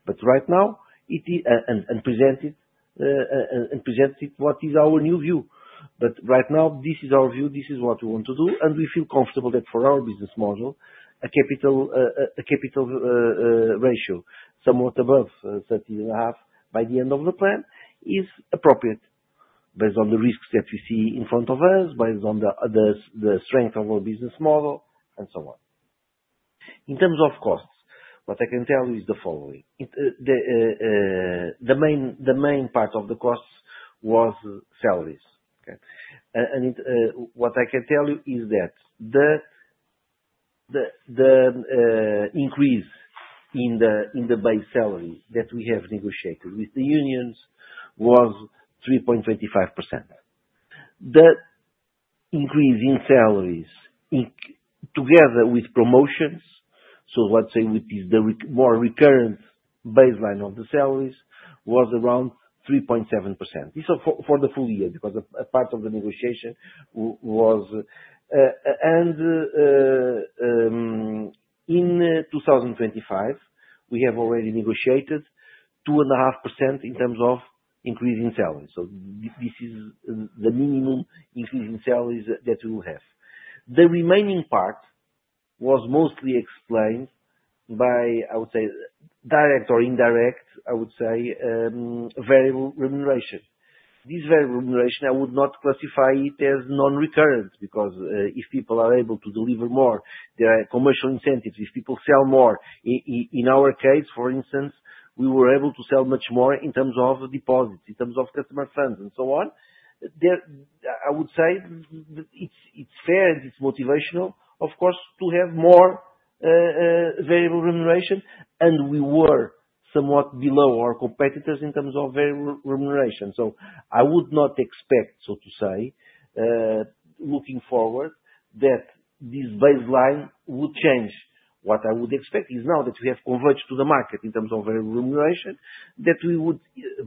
but right now, and present it, what is our new view, but right now, this is our view. This is what we want to do, and we feel comfortable that for our business model, a capital ratio somewhat above 13.5 by the end of the plan is appropriate based on the risks that we see in front of us, based on the strength of our business model, and so on. In terms of costs, what I can tell you is the following. The main part of the costs was salaries. Okay? And what I can tell you is that the increase in the base salary that we have negotiated with the unions was 3.25%. The increase in salaries together with promotions, so let's say with the more recurrent baseline of the salaries, was around 3.7%. This is for the full year because a part of the negotiation was. And in 2025, we have already negotiated 2.5% in terms of increasing salaries. So this is the minimum increase in salaries that we will have. The remaining part was mostly explained by, I would say, direct or indirect, I would say, variable remuneration. This variable remuneration, I would not classify it as non-recurrent because if people are able to deliver more, there are commercial incentives. If people sell more, in our case, for instance, we were able to sell much more in terms of deposits, in terms of customer funds, and so on. I would say it's fair and it's motivational, of course, to have more variable remuneration, and we were somewhat below our competitors in terms of variable remuneration. So I would not expect, so to say, looking forward, that this baseline would change. What I would expect is now that we have converged to the market in terms of variable remuneration, that we would,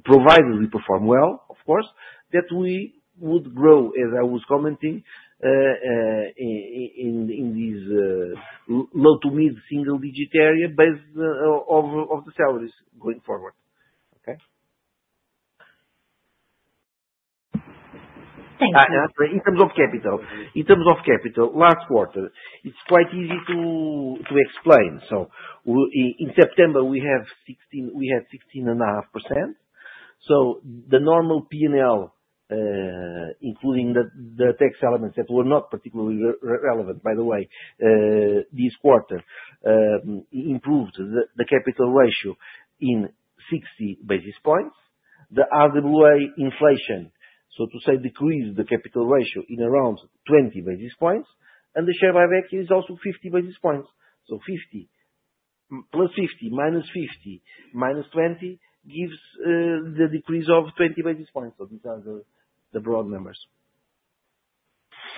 provided we perform well, of course, that we would grow, as I was commenting, in this low- to mid-single-digit area based off the salaries going forward. Okay? Thank you. In terms of capital, last quarter, it's quite easy to explain, so in September, we had 16.5%. So the normal P&L, including the tax elements that were not particularly relevant, by the way, this quarter improved the capital ratio in 60 basis points. The RWA inflation, so to say, decreased the capital ratio in around 20 basis points, and the share buyback is also 50 basis points. So 50 plus 50 minus 50 minus 20 gives the decrease of 20 basis points. So these are the broad numbers.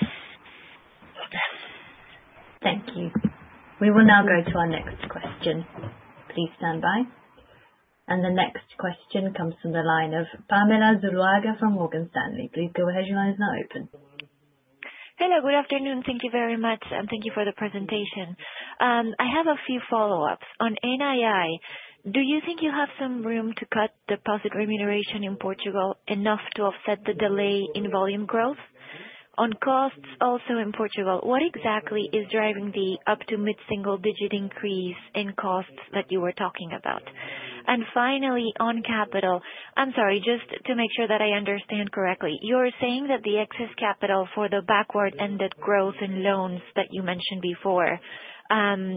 Okay. Thank you. We will now go to our next question. Please stand by. The next question comes from the line of Pamela Zuluaga from Morgan Stanley. Please go ahead. Your line is now open. Hello. Good afternoon. Thank you very much, and thank you for the presentation. I have a few follow-ups. On NII, do you think you have some room to cut deposit remuneration in Portugal enough to offset the delay in volume growth? On costs also in Portugal, what exactly is driving the up to mid-single digit increase in costs that you were talking about? And finally, on capital, I'm sorry, just to make sure that I understand correctly, you're saying that the excess capital for the back-ended growth in loans that you mentioned before,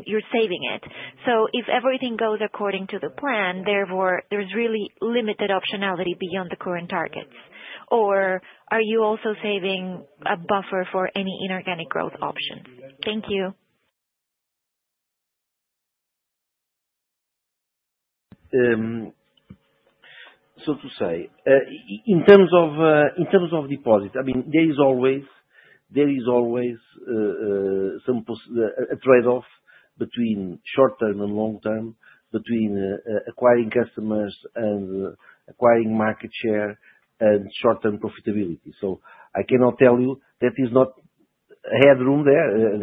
you're saving it. So if everything goes according to the plan, therefore there's really limited optionality beyond the current targets? Or are you also saving a buffer for any inorganic growth options? Thank you. So to say, in terms of deposits, I mean, there is always some trade-off between short-term and long-term, between acquiring customers and acquiring market share and short-term profitability. So I cannot tell you that there's not a headroom there.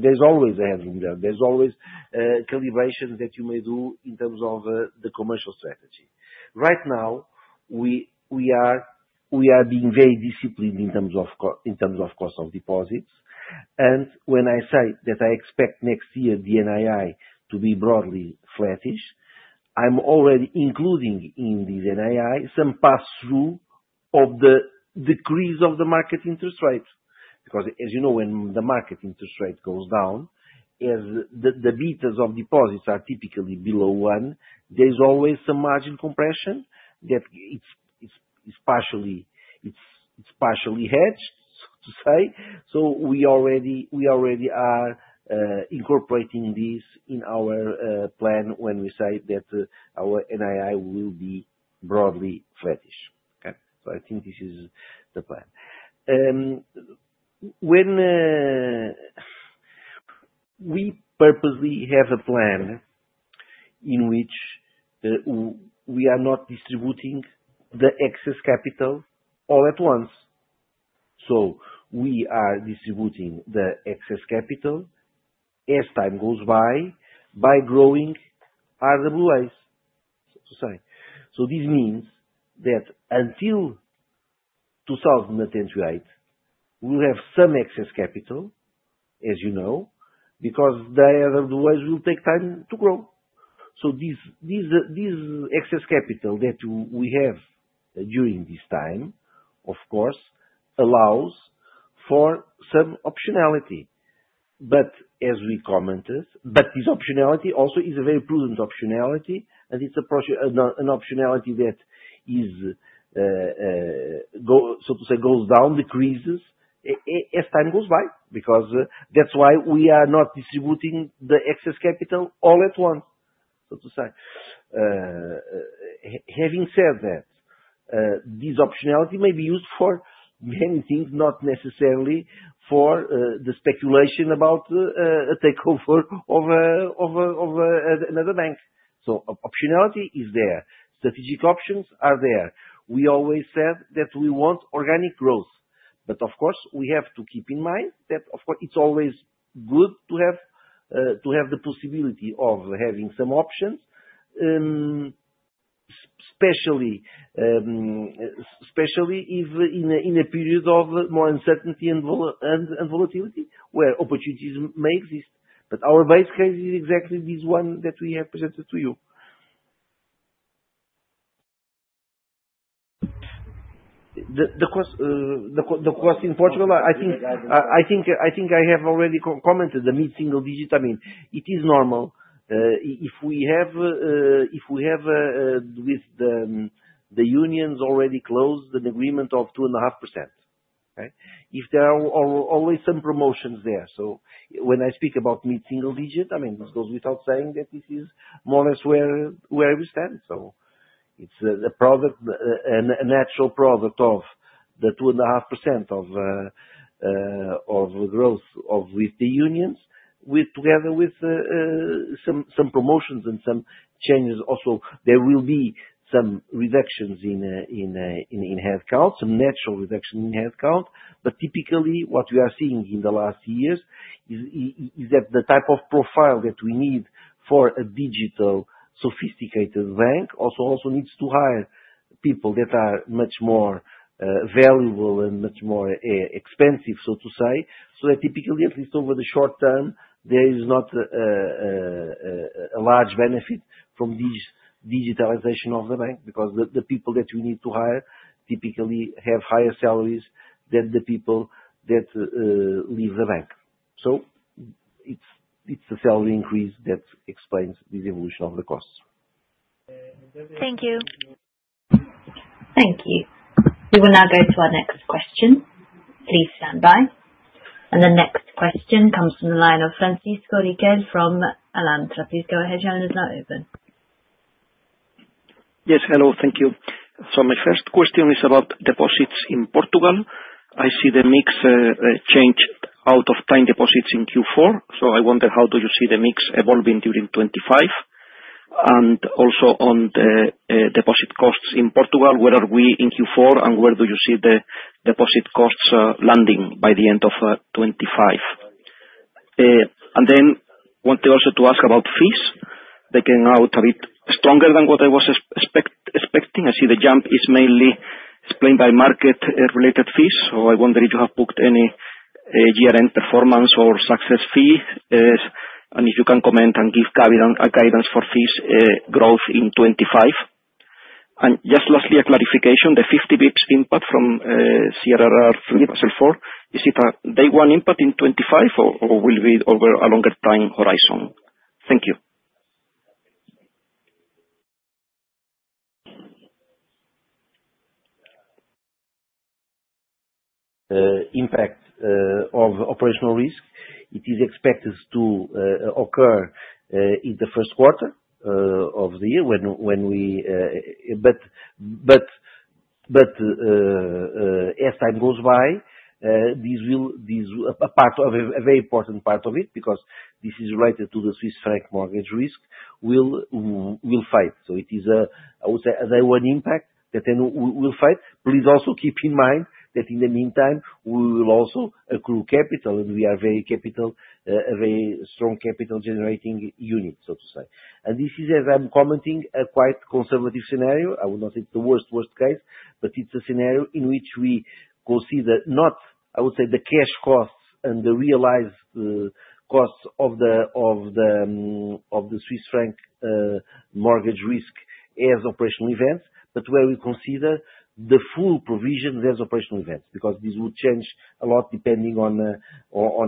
There's always a headroom there. There's always calibrations that you may do in terms of the commercial strategy. Right now, we are being very disciplined in terms of cost of deposits. And when I say that I expect next year the NII to be broadly flattish, I'm already including in the NII some pass-through of the decrease of the market interest rate. Because as you know, when the market interest rate goes down, the betas of deposits are typically below one. There's always some margin compression that it's partially hedged, so to say. We already are incorporating this in our plan when we say that our NII will be broadly flattish. Okay? I think this is the plan. We purposely have a plan in which we are not distributing the excess capital all at once. We are distributing the excess capital as time goes by by growing RWAs, so to say. This means that until 2028, we'll have some excess capital, as you know, because the RWAs will take time to grow. This excess capital that we have during this time, of course, allows for some optionality. But as we commented, this optionality also is a very prudent optionality, and it's an optionality that is, so to say, goes down, decreases as time goes by. Because that's why we are not distributing the excess capital all at once, so to say. Having said that, this optionality may be used for many things, not necessarily for the speculation about a takeover of another bank. So optionality is there. Strategic options are there. We always said that we want organic growth. But of course, we have to keep in mind that, of course, it's always good to have the possibility of having some options, especially in a period of more uncertainty and volatility where opportunities may exist. But our base case is exactly this one that we have presented to you. The cost in Portugal, I think I have already commented the mid-single digit. I mean, it is normal if we have with the unions already closed an agreement of 2.5%. Okay? If there are always some promotions there. So when I speak about mid-single digit, I mean, it goes without saying that this is more or less where we stand. So it's a natural product of the 2.5% of growth with the unions, together with some promotions and some changes. Also, there will be some reductions in headcount, some natural reduction in headcount. But typically, what we are seeing in the last years is that the type of profile that we need for a digital sophisticated bank also needs to hire people that are much more valuable and much more expensive, so to say. So that typically, at least over the short term, there is not a large benefit from this digitalization of the bank because the people that we need to hire typically have higher salaries than the people that leave the bank. So it's a salary increase that explains this evolution of the costs. Thank you. Thank you. We will now go to our next question. Please stand by. The next question comes from the line of Francisco Riquel from Alantra. Please go ahead, gentlemen. It's now open. Yes. Hello. Thank you. So my first question is about deposits in Portugal. I see the mix change out of time deposits in Q4. So I wonder how do you see the mix evolving during 2025? And also on the deposit costs in Portugal, where are we in Q4, and where do you see the deposit costs landing by the end of 2025? And then wanted also to ask about fees. They came out a bit stronger than what I was expecting. I see the jump is mainly explained by market-related fees. So I wonder if you have booked any year-end performance or success fee, and if you can comment and give guidance for fees growth in 2025. And just lastly, a clarification. The 50 basis points impact from CRR3, Basel IV, is it a day-one impact in 2025, or will it be over a longer time horizon? Thank you. Impact of operational risk. It is expected to occur in the first quarter of the year but as time goes by, this will be a very important part of it because this is related to the Swiss franc mortgage risk will fade. So it is a day-one impact that will fade. Please also keep in mind that in the meantime, we will also accrue capital, and we are a very strong capital-generating unit, so to say. And this is, as I'm commenting, a quite conservative scenario. I would not say it's the worst-case case, but it's a scenario in which we consider not, I would say, the cash costs and the realized costs of the Swiss franc mortgage risk as operational events, but where we consider the full provision as operational events because this would change a lot depending on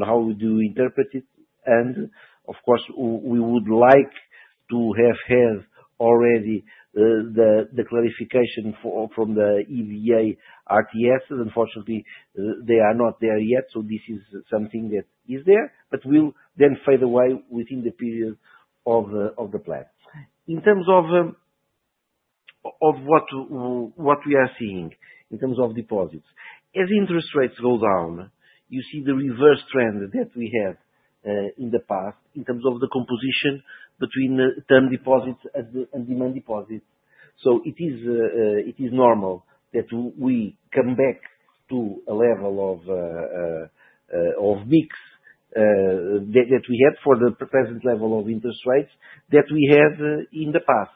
how we do interpret it. Of course, we would like to have had already the clarification from the EBA RTS. Unfortunately, they are not there yet, so this is something that is there, but will then fade away within the period of the plan. In terms of what we are seeing in terms of deposits, as interest rates go down, you see the reverse trend that we had in the past in terms of the composition between term deposits and demand deposits. So it is normal that we come back to a level of mix that we had for the present level of interest rates that we had in the past.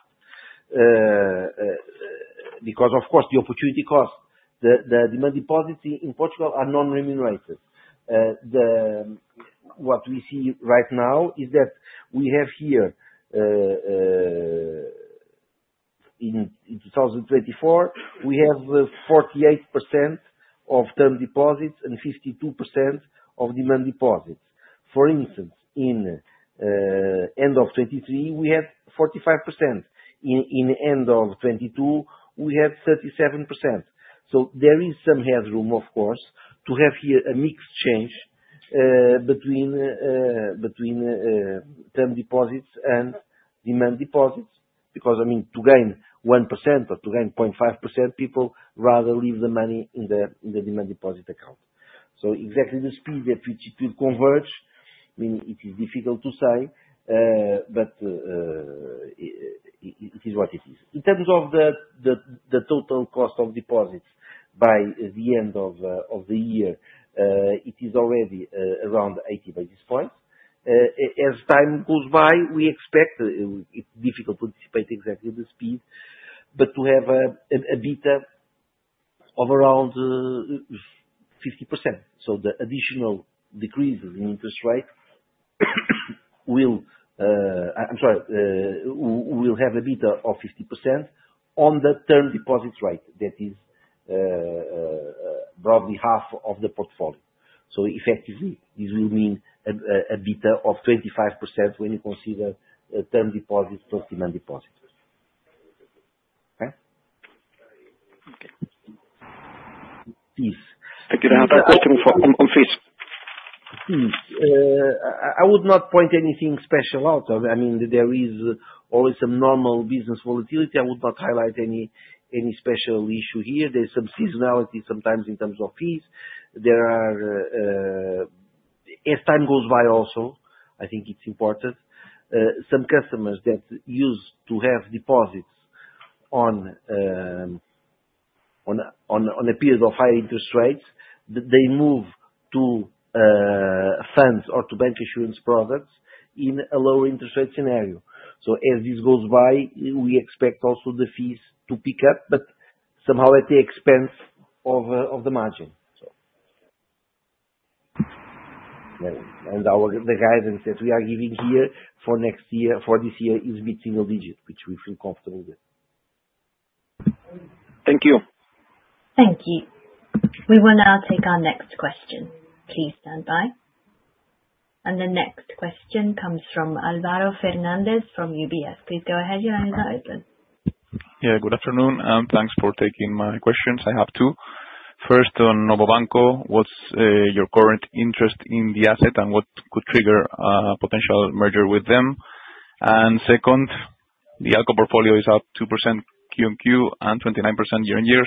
Because, of course, the opportunity cost, the demand deposits in Portugal are non-remunerated. What we see right now is that we have here in 2024, we have 48% of term deposits and 52% of demand deposits. For instance, in end of 2023, we had 45%. In end of 2022, we had 37%. So there is some headroom, of course, to have here a mixed change between term deposits and demand deposits because, I mean, to gain 1% or to gain 0.5%, people rather leave the money in the demand deposit account. So exactly the speed at which it will converge, I mean, it is difficult to say, but it is what it is. In terms of the total cost of deposits by the end of the year, it is already around 80 basis points. As time goes by, we expect it's difficult to anticipate exactly the speed, but to have a beta of around 50%. So the additional decreases in interest rate will, I'm sorry, will have a beta of 50% on the term deposit rate that is broadly half of the portfolio. So effectively, this will mean a beta of 25% when you consider term deposits plus demand deposits. Okay? Please. I can answer that question on fees. I would not point anything special out. I mean, there is always some normal business volatility. I would not highlight any special issue here. There's some seasonality sometimes in terms of fees. As time goes by also, I think it's important. Some customers that used to have deposits on a period of higher interest rates, they move to funds or to bank-issuance products in a lower interest rate scenario. So as this goes by, we expect also the fees to pick up, but somehow at the expense of the margin. And the guidance that we are giving here for this year is mid-single digit, which we feel comfortable with. Thank you. Thank you. We will now take our next question. Please stand by. And the next question comes from Álvaro Fernández from UBS. Please go ahead, gentlemen. It's now open. Yeah. Good afternoon, and thanks for taking my questions. I have two. First, on Novo Banco, what's your current interest in the asset and what could trigger a potential merger with them? Second, the ALCO portfolio is up 2% Q&Q and 29% year-on-year.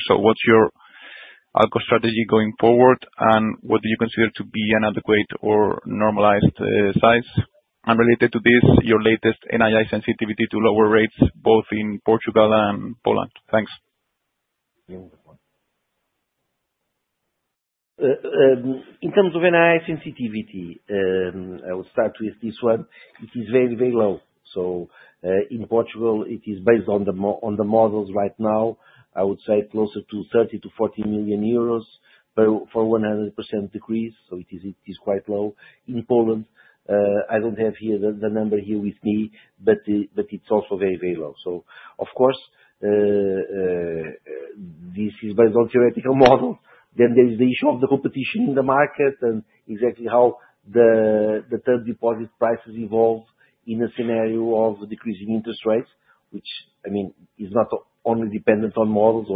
What is your ALCO strategy going forward, and what do you consider to be an adequate or normalized size? Related to this, your latest NII sensitivity to lower rates, both in Portugal and Poland? Thanks. In terms of NII sensitivity, I will start with this one. It is very, very low. In Portugal, it is based on the models right now, I would say closer to 30 million-40 million euros for 100% decrease. It is quite low. In Poland, I don't have the number here with me, but it is also very, very low. Of course, this is based on theoretical models. Then there is the issue of the competition in the market and exactly how the term deposit prices evolve in a scenario of decreasing interest rates, which, I mean, is not only dependent on models.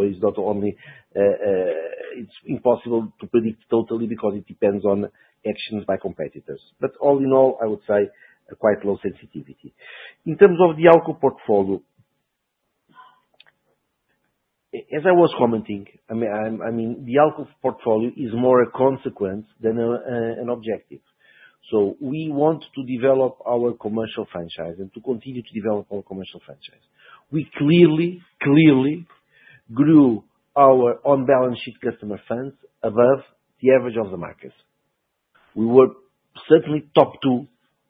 It's impossible to predict totally because it depends on actions by competitors. But all in all, I would say quite low sensitivity. In terms of the ALCO portfolio, as I was commenting, I mean, the ALCO portfolio is more a consequence than an objective. So we want to develop our commercial franchise and to continue to develop our commercial franchise. We clearly grew our on-balance sheet customer funds above the average of the market. We were certainly top two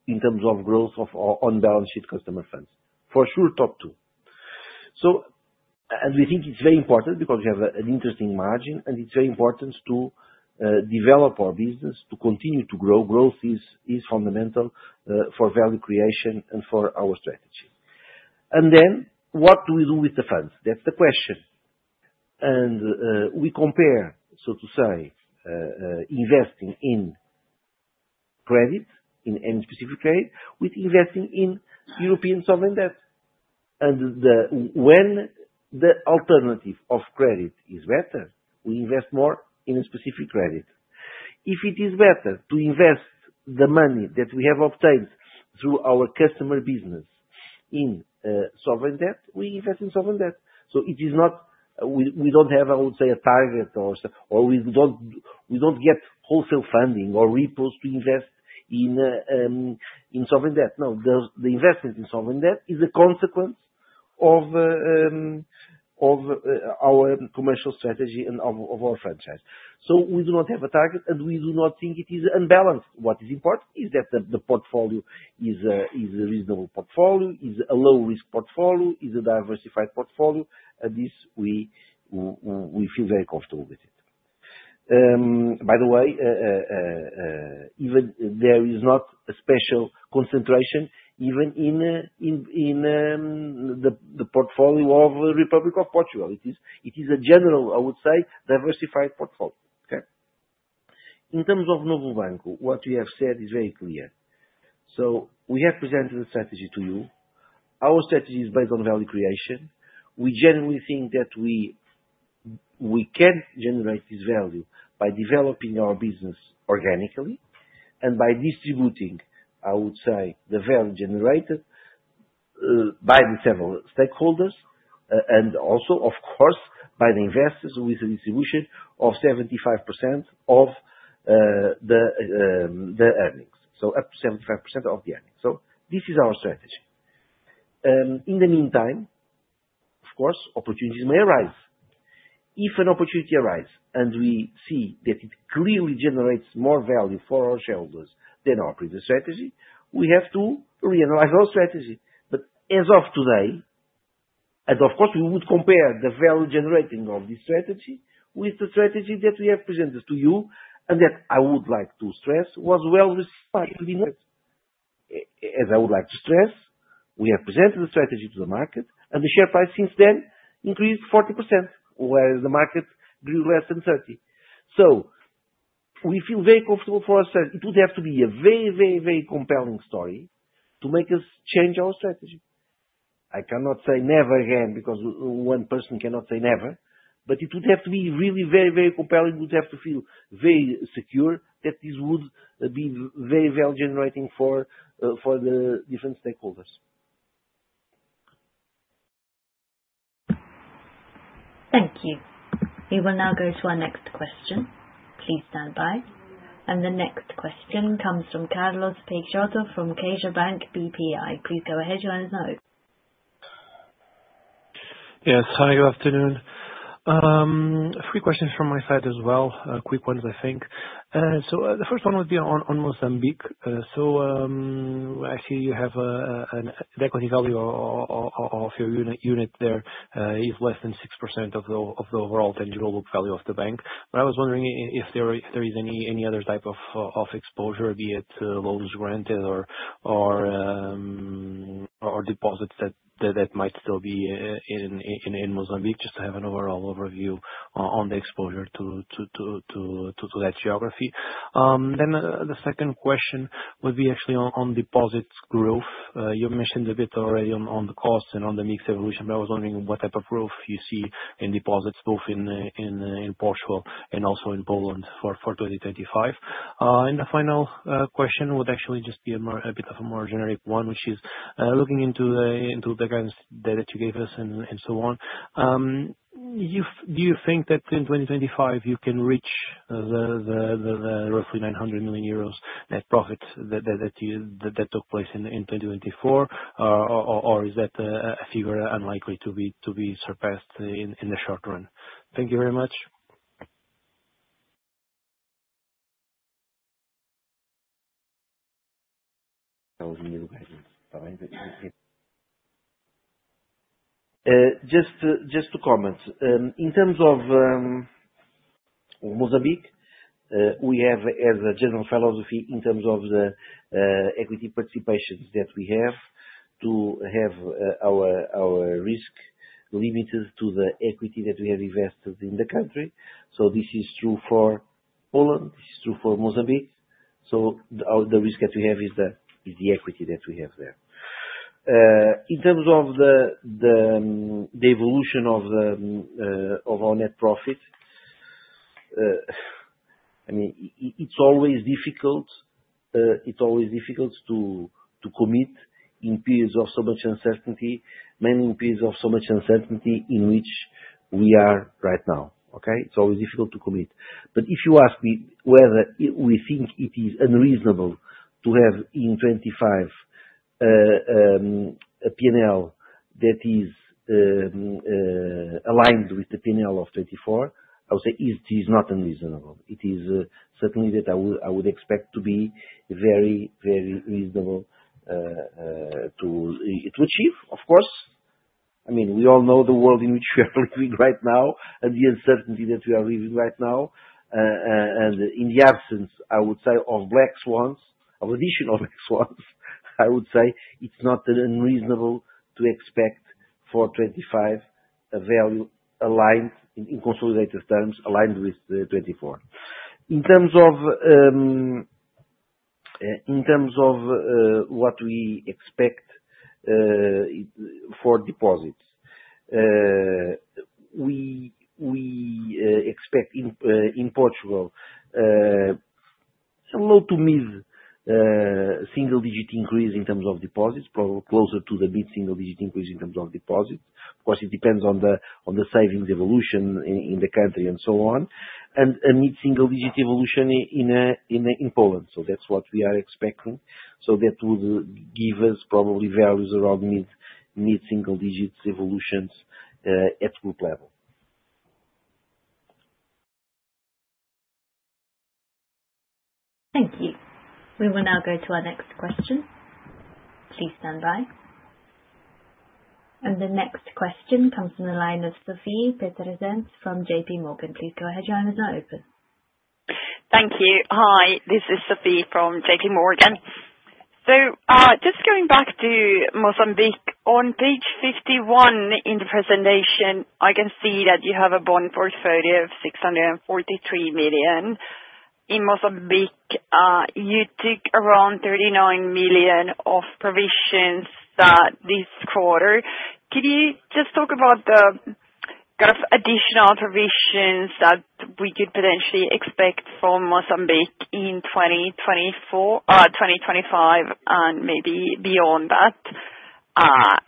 in terms of growth of on-balance sheet customer funds. For sure, top two. And we think it's very important because we have an interesting margin, and it's very important to develop our business, to continue to grow. Growth is fundamental for value creation and for our strategy. And then what do we do with the funds? That's the question. And we compare, so to say, investing in credit, in any specific credit, with investing in European sovereign debt. And when the alternative of credit is better, we invest more in a specific credit. If it is better to invest the money that we have obtained through our customer business in sovereign debt, we invest in sovereign debt. So it is not. We don't have, I would say, a target or we don't get wholesale funding or repos to invest in sovereign debt. No, the investment in sovereign debt is a consequence of our commercial strategy and of our franchise. We do not have a target, and we do not think it is unbalanced. What is important is that the portfolio is a reasonable portfolio, is a low-risk portfolio, is a diversified portfolio, and this we feel very comfortable with it. By the way, there is not a special concentration even in the portfolio of Republic of Portugal. It is a general, I would say, diversified portfolio. Okay? In terms of Novo Banco, what we have said is very clear. We have presented a strategy to you. Our strategy is based on value creation. We genuinely think that we can generate this value by developing our business organically and by distributing, I would say, the value generated by the several stakeholders and also, of course, by the investors with a distribution of 75% of the earnings. So up to 75% of the earnings. This is our strategy. In the meantime, of course, opportunities may arise. If an opportunity arises and we see that it clearly generates more value for our shareholders than our previous strategy, we have to reanalyze our strategy. But as of today, and of course, we would compare the value generating of this strategy with the strategy that we have presented to you and that I would like to stress was well received. As I would like to stress, we have presented a strategy to the market, and the share price since then increased 40%, whereas the market grew less than 30%. So we feel very comfortable for our strategy. It would have to be a very, very, very compelling story to make us change our strategy. I cannot say never again because one person cannot say never, but it would have to be really very, very compelling. We would have to feel very secure that this would be very value generating for the different stakeholders. Thank you. We will now go to our next question. Please stand by, and the next question comes from Carlos Peixoto from CaixaBank BPI. Please go ahead, gentlemen. Yes. Hi, good afternoon. A few questions from my side as well, quick ones, I think, so the first one would be on Mozambique. So I see you have an equity value of your unit there is less than 6% of the overall tangible book value of the bank. But I was wondering if there is any other type of exposure, be it loans granted or deposits that might still be in Mozambique, just to have an overall overview on the exposure to that geography, then the second question would be actually on deposits growth. You mentioned a bit already on the cost and on the mixed evolution, but I was wondering what type of growth you see in deposits, both in Portugal and also in Poland for 2025. And the final question would actually just be a bit of a more generic one, which is looking into the guidance that you gave us and so on. Do you think that in 2025 you can reach the roughly 900 million euros net profit that took place in 2024, or is that a figure unlikely to be surpassed in the short run? Thank you very much. Just to comment, in terms of Mozambique, we have as a general philosophy in terms of the equity participations that we have to have our risk limited to the equity that we have invested in the country. So this is true for Poland. This is true for Mozambique. So the risk that we have is the equity that we have there. In terms of the evolution of our net profit, I mean, it's always difficult. It's always difficult to commit in periods of so much uncertainty, mainly in periods of so much uncertainty in which we are right now. Okay? It's always difficult to commit. But if you ask me whether we think it is unreasonable to have in 2025 a P&L that is aligned with the P&L of 2024, I would say it is not unreasonable. It is certainly that I would expect to be very, very reasonable to achieve, of course. I mean, we all know the world in which we are living right now and the uncertainty that we are living right now. In the absence, I would say, of black swans, of additional black swans, I would say it's not unreasonable to expect for 2025 a value aligned in consolidated terms aligned with 2024. In terms of what we expect for deposits, we expect in Portugal a low to mid single-digit increase in terms of deposits, probably closer to the mid-single-digit increase in terms of deposits. Of course, it depends on the savings evolution in the country and so on, and a mid-single-digit evolution in Poland. So that's what we are expecting. So that would give us probably values around mid-single-digit evolutions at group level. Thank you. We will now go to our next question. Please stand by. The next question comes from the line of Sofie Peterzens from J.P. Morgan. Please go ahead. Your line is now open. Thank you. Hi. This is Sofie from J.P. Morgan. So just going back to Mozambique, on page 51 in the presentation, I can see that you have a bond portfolio of 643 million. In Mozambique, you took around 39 million of provisions this quarter. Could you just talk about the kind of additional provisions that we could potentially expect from Mozambique in 2025 and maybe beyond that?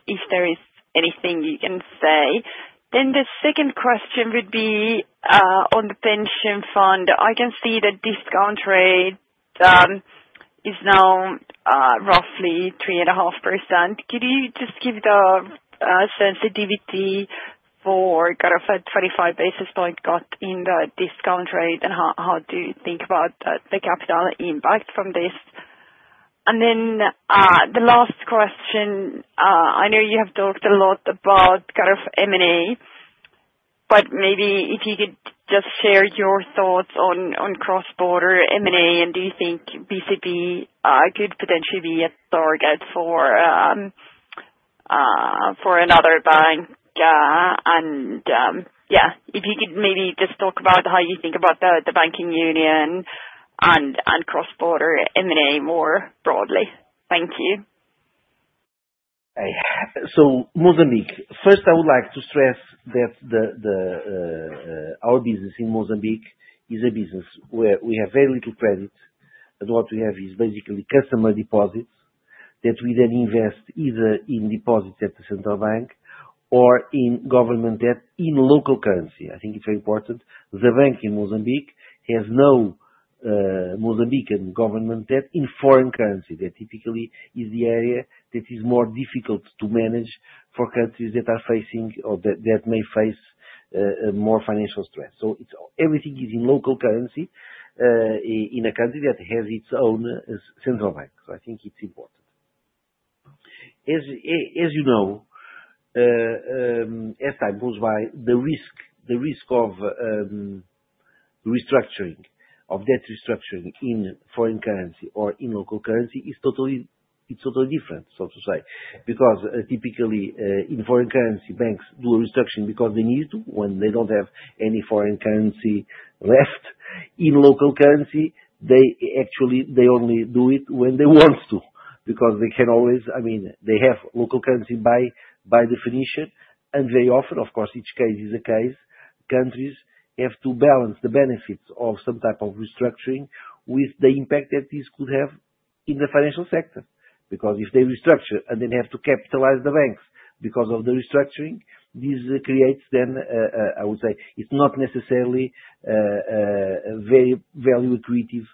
If there is anything you can say. Then the second question would be on the pension fund. I can see that discount rate is now roughly 3.5%. Could you just give the sensitivity for kind of a 25 basis point cut in the discount rate, and how do you think about the capital impact from this? And then the last question, I know you have talked a lot about kind of M&A, but maybe if you could just share your thoughts on cross-border M&A, and do you think BCP could potentially be a target for another bank? And yeah, if you could maybe just talk about how you think about the banking union and cross-border M&A more broadly. Thank you. Mozambique, first. I would like to stress that our business in Mozambique is a business where we have very little credit. What we have is basically customer deposits that we then invest either in deposits at the central bank or in government debt in local currency. I think it's very important. The bank in Mozambique has no Mozambican government debt in foreign currency. That typically is the area that is more difficult to manage for countries that are facing or that may face more financial stress. So everything is in local currency in a country that has its own central bank. So I think it's important. As you know, as time goes by, the risk of restructuring, of debt restructuring in foreign currency or in local currency is totally different, so to say, because typically in foreign currency, banks do a restructuring because they need to when they don't have any foreign currency left. In local currency, they actually only do it when they want to because they can always, I mean, they have local currency by definition, and very often, of course, each case is a case. Countries have to balance the benefits of some type of restructuring with the impact that this could have in the financial sector. Because if they restructure and then have to capitalize the banks because of the restructuring, this creates then, I would say, it's not necessarily very value accretive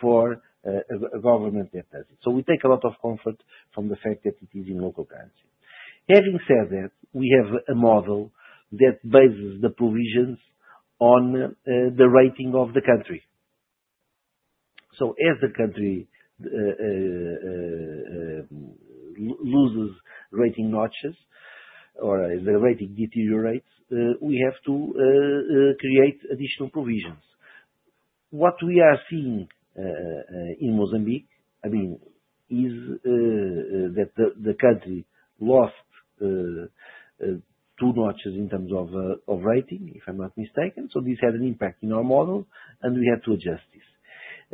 for a government that does it. So we take a lot of comfort from the fact that it is in local currency. Having said that, we have a model that bases the provisions on the rating of the country. So as the country loses rating notches or as the rating deteriorates, we have to create additional provisions. What we are seeing in Mozambique, I mean, is that the country lost two notches in terms of rating, if I'm not mistaken. So this had an impact in our model, and we had to adjust this.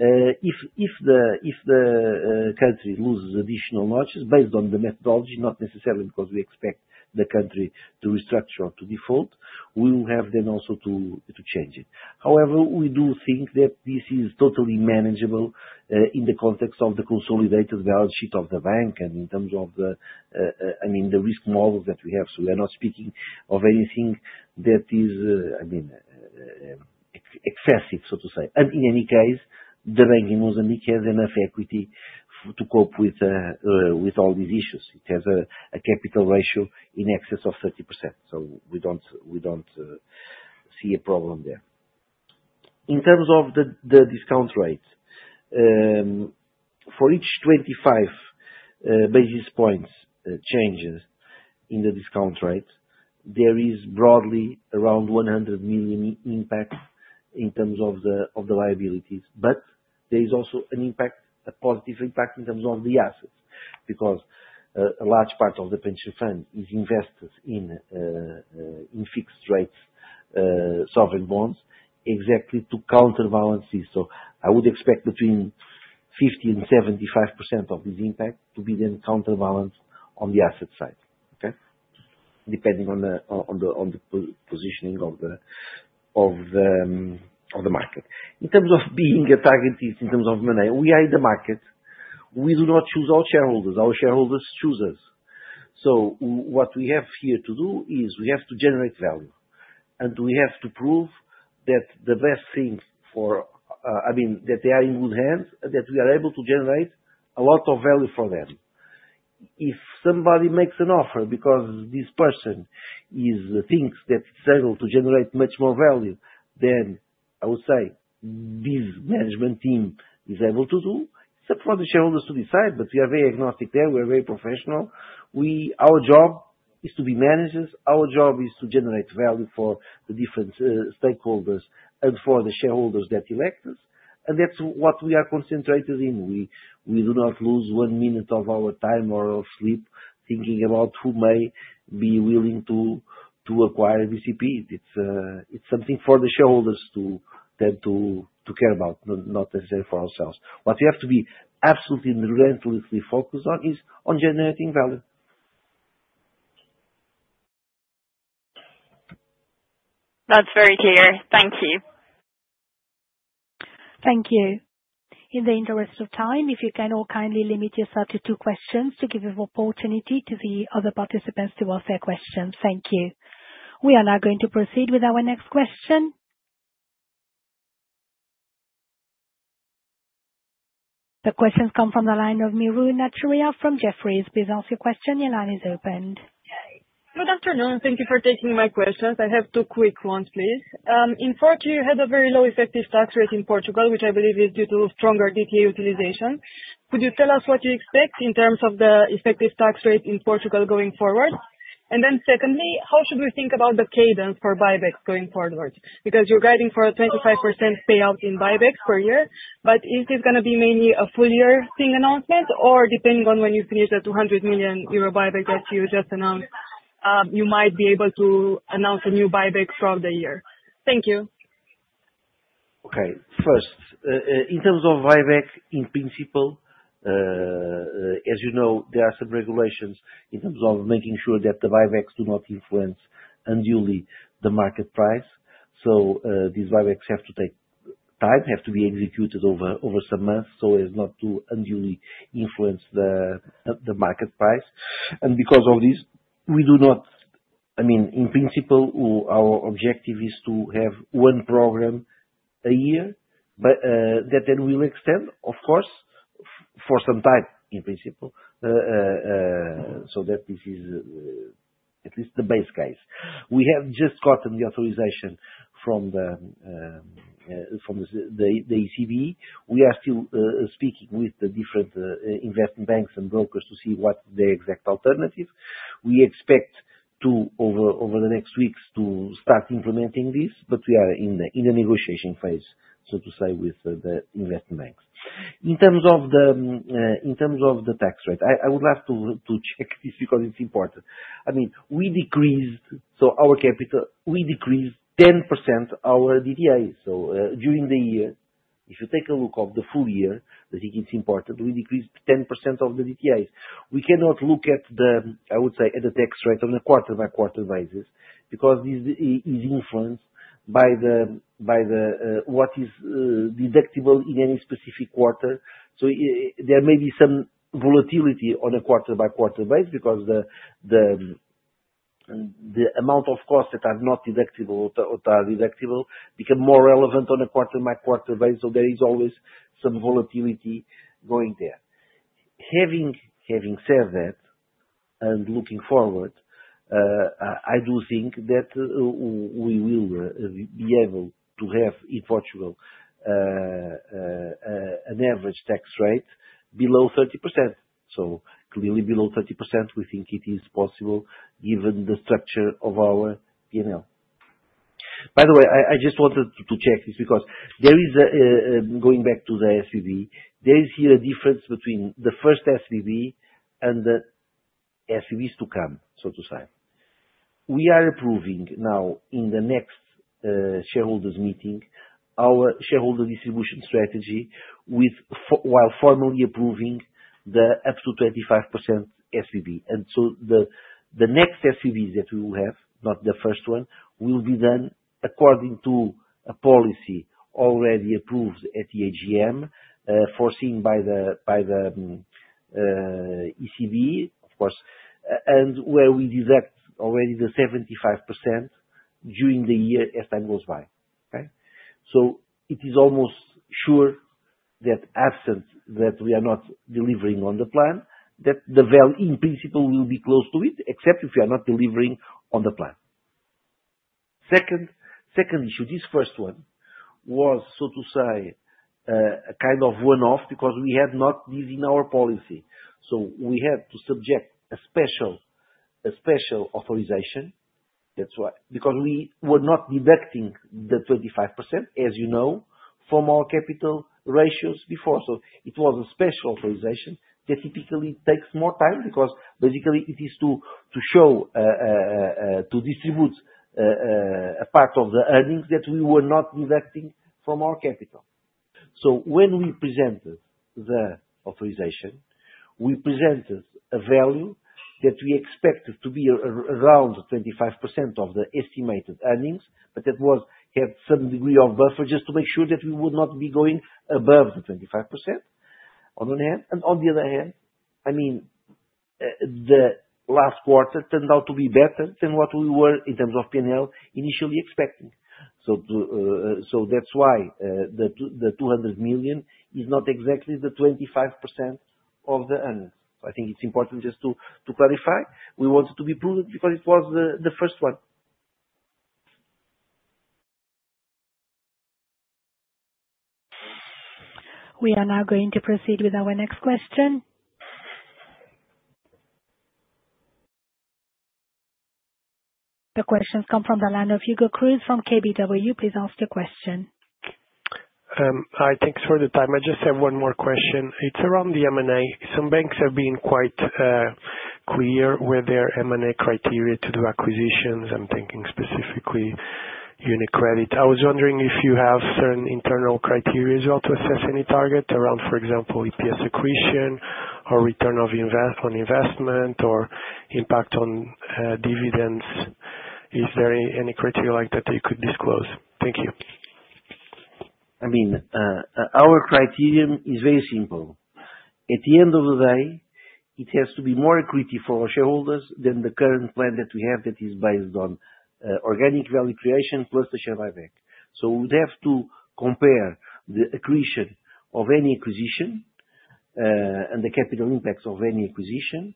If the country loses additional notches based on the methodology, not necessarily because we expect the country to restructure or to default, we will have then also to change it. However, we do think that this is totally manageable in the context of the consolidated balance sheet of the bank and in terms of the, I mean, the risk model that we have, so we are not speaking of anything that is, I mean, excessive, so to say, and in any case, the bank in Mozambique has enough equity to cope with all these issues. It has a capital ratio in excess of 30%, so we don't see a problem there. In terms of the discount rate, for each 25 basis points changes in the discount rate, there is broadly around 100 million impact in terms of the liabilities, but there is also an impact, a positive impact in terms of the assets because a large part of the pension fund is invested in fixed rates sovereign bonds exactly to counterbalance this. So I would expect between 50% and 75% of this impact to be then counterbalanced on the asset side, okay, depending on the positioning of the market. In terms of being a target in terms of money, we are in the market. We do not choose our shareholders. Our shareholders choose us. So what we have here to do is we have to generate value, and we have to prove that the best thing for, I mean, that they are in good hands and that we are able to generate a lot of value for them. If somebody makes an offer because this person thinks that it's able to generate much more value than I would say this management team is able to do, it's up for the shareholders to decide, but we are very agnostic there. We are very professional. Our job is to be managers. Our job is to generate value for the different stakeholders and for the shareholders that elect us. And that's what we are concentrated in. We do not lose one minute of our time or of sleep thinking about who may be willing to acquire BCP. It's something for the shareholders to care about, not necessarily for ourselves. What we have to be absolutely relentlessly focused on is on generating value. That's very clear. Thank you. Thank you. In the interest of time, if you can all kindly limit yourself to two questions to give an opportunity to the other participants to ask their questions. Thank you. We are now going to proceed with our next question. The questions come from the line of Miro Natario from Jefferies. Please ask your question. Your line is open. Good afternoon. Thank you for taking my questions. I have two quick ones, please. In part, you had a very low effective tax rate in Portugal, which I believe is due to stronger DTA utilization. Could you tell us what you expect in terms of the effective tax rate in Portugal going forward? And then secondly, how should we think about the cadence for buybacks going forward? Because you're guiding for a 25% payout in buybacks per year, but is this going to be mainly a full-year thing announcement, or depending on when you finish the 200 million euro buyback that you just announced, you might be able to announce a new buyback throughout the year? Thank you. Okay. First, in terms of buyback in principle, as you know, there are some regulations in terms of making sure that the buybacks do not influence unduly the market price. So these buybacks have to take time, have to be executed over some months so as not to unduly influence the market price. Because of this, we do not, I mean, in principle, our objective is to have one program a year that then will extend, of course, for some time in principle, so that this is at least the base case. We have just gotten the authorization from the ECB. We are still speaking with the different investment banks and brokers to see what the exact alternative is. We expect over the next weeks to start implementing this, but we are in the negotiation phase, so to say, with the investment banks. In terms of the tax rate, I would love to check this because it's important. I mean, we decreased our capital. We decreased 10% our DTA. So during the year, if you take a look at the full year, I think it's important. We decreased 10% of the DTAs. We cannot look at the, I would say, at the tax rate on a quarter-by-quarter basis because this is influenced by what is deductible in any specific quarter. So there may be some volatility on a quarter-by-quarter basis because the amount of costs that are not deductible or are deductible become more relevant on a quarter-by-quarter basis. So there is always some volatility going there. Having said that and looking forward, I do think that we will be able to have in Portugal an average tax rate below 30%. So clearly, below 30%, we think it is possible given the structure of our P&L. By the way, I just wanted to check this because there is, going back to the SVB, there is here a difference between the first SVB and the SVBs to come, so to say. We are approving now in the next shareholders' meeting our shareholder distribution strategy while formally approving the up to 25% SVB. And so the next SVBs that we will have, not the first one, will be done according to a policy already approved at the AGM foreseen by the ECB, of course, and where we deduct already the 75% during the year as time goes by. Okay? So it is almost sure that absent that we are not delivering on the plan, that the value in principle will be close to it, except if we are not delivering on the plan. Second issue, this first one was, so to say, a kind of one-off because we had not this in our policy. So we had to subject a special authorization. That's why. Because we were not deducting the 25%, as you know, from our capital ratios before. It was a special authorization that typically takes more time because basically it is to show, to distribute a part of the earnings that we were not deducting from our capital. When we presented the authorization, we presented a value that we expected to be around 25% of the estimated earnings, but it had some degree of buffer just to make sure that we would not be going above the 25% on one hand. On the other hand, I mean, the last quarter turned out to be better than what we were in terms of P&L initially expecting. That's why the 200 million is not exactly the 25% of the earnings. I think it's important just to clarify. We wanted to be prudent because it was the first one. We are now going to proceed with our next question. The questions come from the line of Hugo Cruz from KBW. Please ask your question. Hi, thanks for the time. I just have one more question. It's around the M&A. Some banks have been quite clear with their M&A criteria to do acquisitions. I'm thinking specifically UniCredit. I was wondering if you have certain internal criteria as well to assess any target around, for example, EPS accretion or return on investment or impact on dividends. Is there any criteria like that that you could disclose? Thank you. I mean, our criterion is very simple. At the end of the day, it has to be more accretive for our shareholders than the current plan that we have that is based on organic value creation plus the share buyback. So we would have to compare the accretion of any acquisition and the capital impacts of any acquisition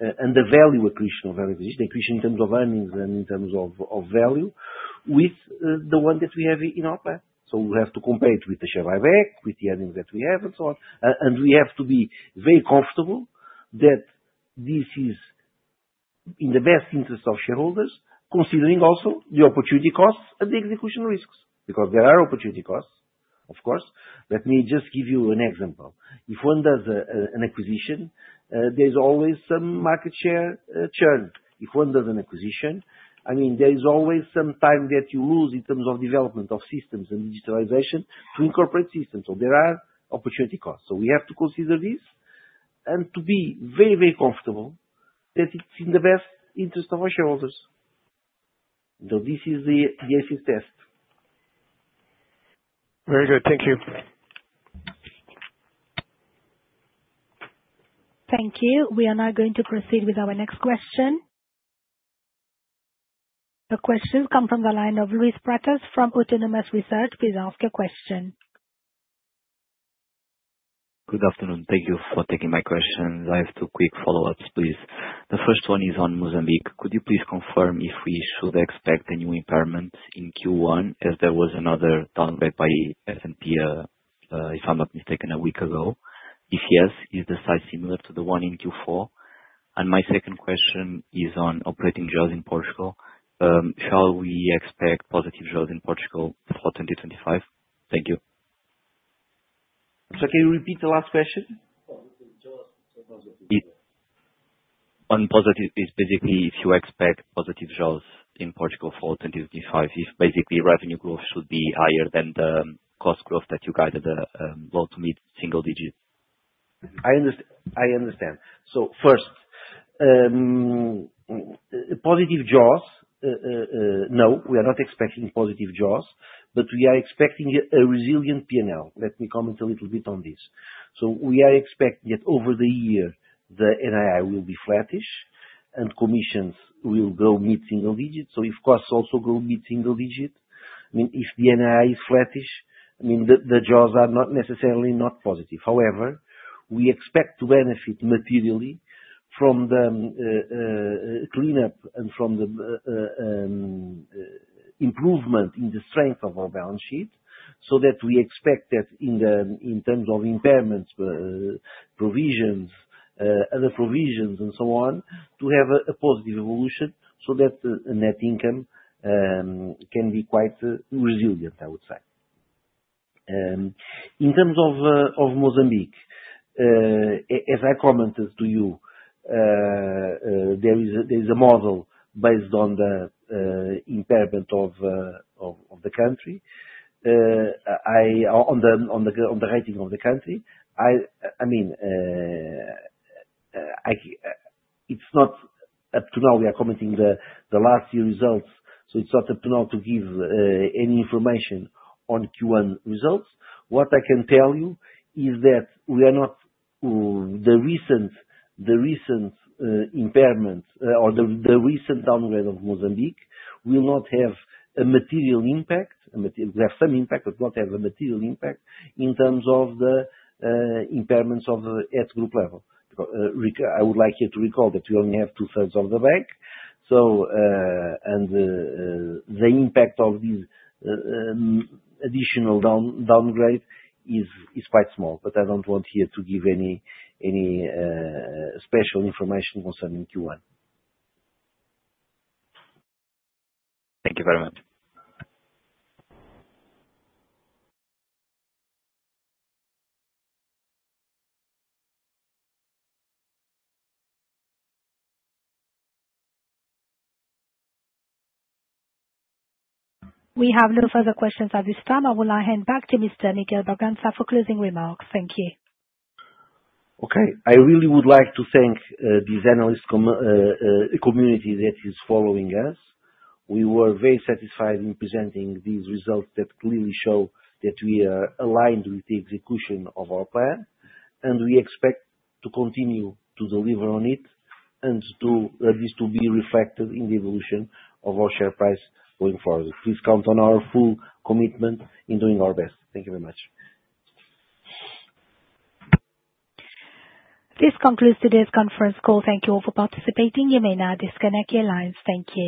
and the value accretion of any acquisition, the accretion in terms of earnings and in terms of value with the one that we have in our plan. So we have to compare it with the share buyback, with the earnings that we have and so on. And we have to be very comfortable that this is in the best interest of shareholders, considering also the opportunity costs and the execution risks. Because there are opportunity costs, of course. Let me just give you an example. If one does an acquisition, there's always some market share churn. If one does an acquisition, I mean, there is always some time that you lose in terms of development of systems and digitalization to incorporate systems. So there are opportunity costs. So we have to consider this and to be very, very comfortable that it's in the best interest of our shareholders. So this is the ACES test. Very good. Thank you. Thank you. We are now going to proceed with our next question. The questions come from the line of Luis Pratas from Autonomous Research. Please ask your question. Good afternoon. Thank you for taking my questions. I have two quick follow-ups, please. The first one is on Mozambique. Could you please confirm if we should expect a new impairment in Q1 as there was another downgrade by S&P, if I'm not mistaken, a week ago? If yes, is the size similar to the one in Q4? And my second question is on organic growth in Portugal. Shall we expect positive growth in Portugal for 2025? Thank you. So can you repeat the last question? On positive, it's basically if you expect positive growth in Portugal for 2025, if basically revenue growth should be higher than the cost growth that you guided the low- to mid-single-digit. I understand. So first, positive growth, no, we are not expecting positive growth, but we are expecting a resilient P&L. Let me comment a little bit on this. So we are expecting that over the year, the NII will be flattish and commissions will go mid-single-digit. So if costs also go mid-single-digit, I mean, if the NII is flattish, I mean, the growth are not necessarily not positive. However, we expect to benefit materially from the cleanup and from the improvement in the strength of our balance sheet so that we expect that in terms of impairments, provisions, other provisions, and so on, to have a positive evolution so that net income can be quite resilient, I would say. In terms of Mozambique, as I commented to you, there is a model based on the impairment of the country. On the rating of the country, I mean, it's not up to now. We are commenting on the last year's results, so it's not up to now to give any information on Q1 results. What I can tell you is that the recent impairment or the recent downgrade of Mozambique will not have a material impact. We have some impact, but does not have a material impact in terms of the impairments at group level. I would like you to recall that we only have two-thirds of the bank, and the impact of this additional downgrade is quite small, but I don't want here to give any special information concerning Q1. Thank you very much. We have no further questions at this time. I will now hand back to Mr. Miguel Bragança for closing remarks. Thank you. Okay. I really would like to thank this analyst community that is following us. We were very satisfied in presenting these results that clearly show that we are aligned with the execution of our plan, and we expect to continue to deliver on it and at least to be reflected in the evolution of our share price going forward. Please count on our full commitment in doing our best. Thank you very much. This concludes today's conference call. Thank you all for participating. You may now disconnect your lines. Thank you.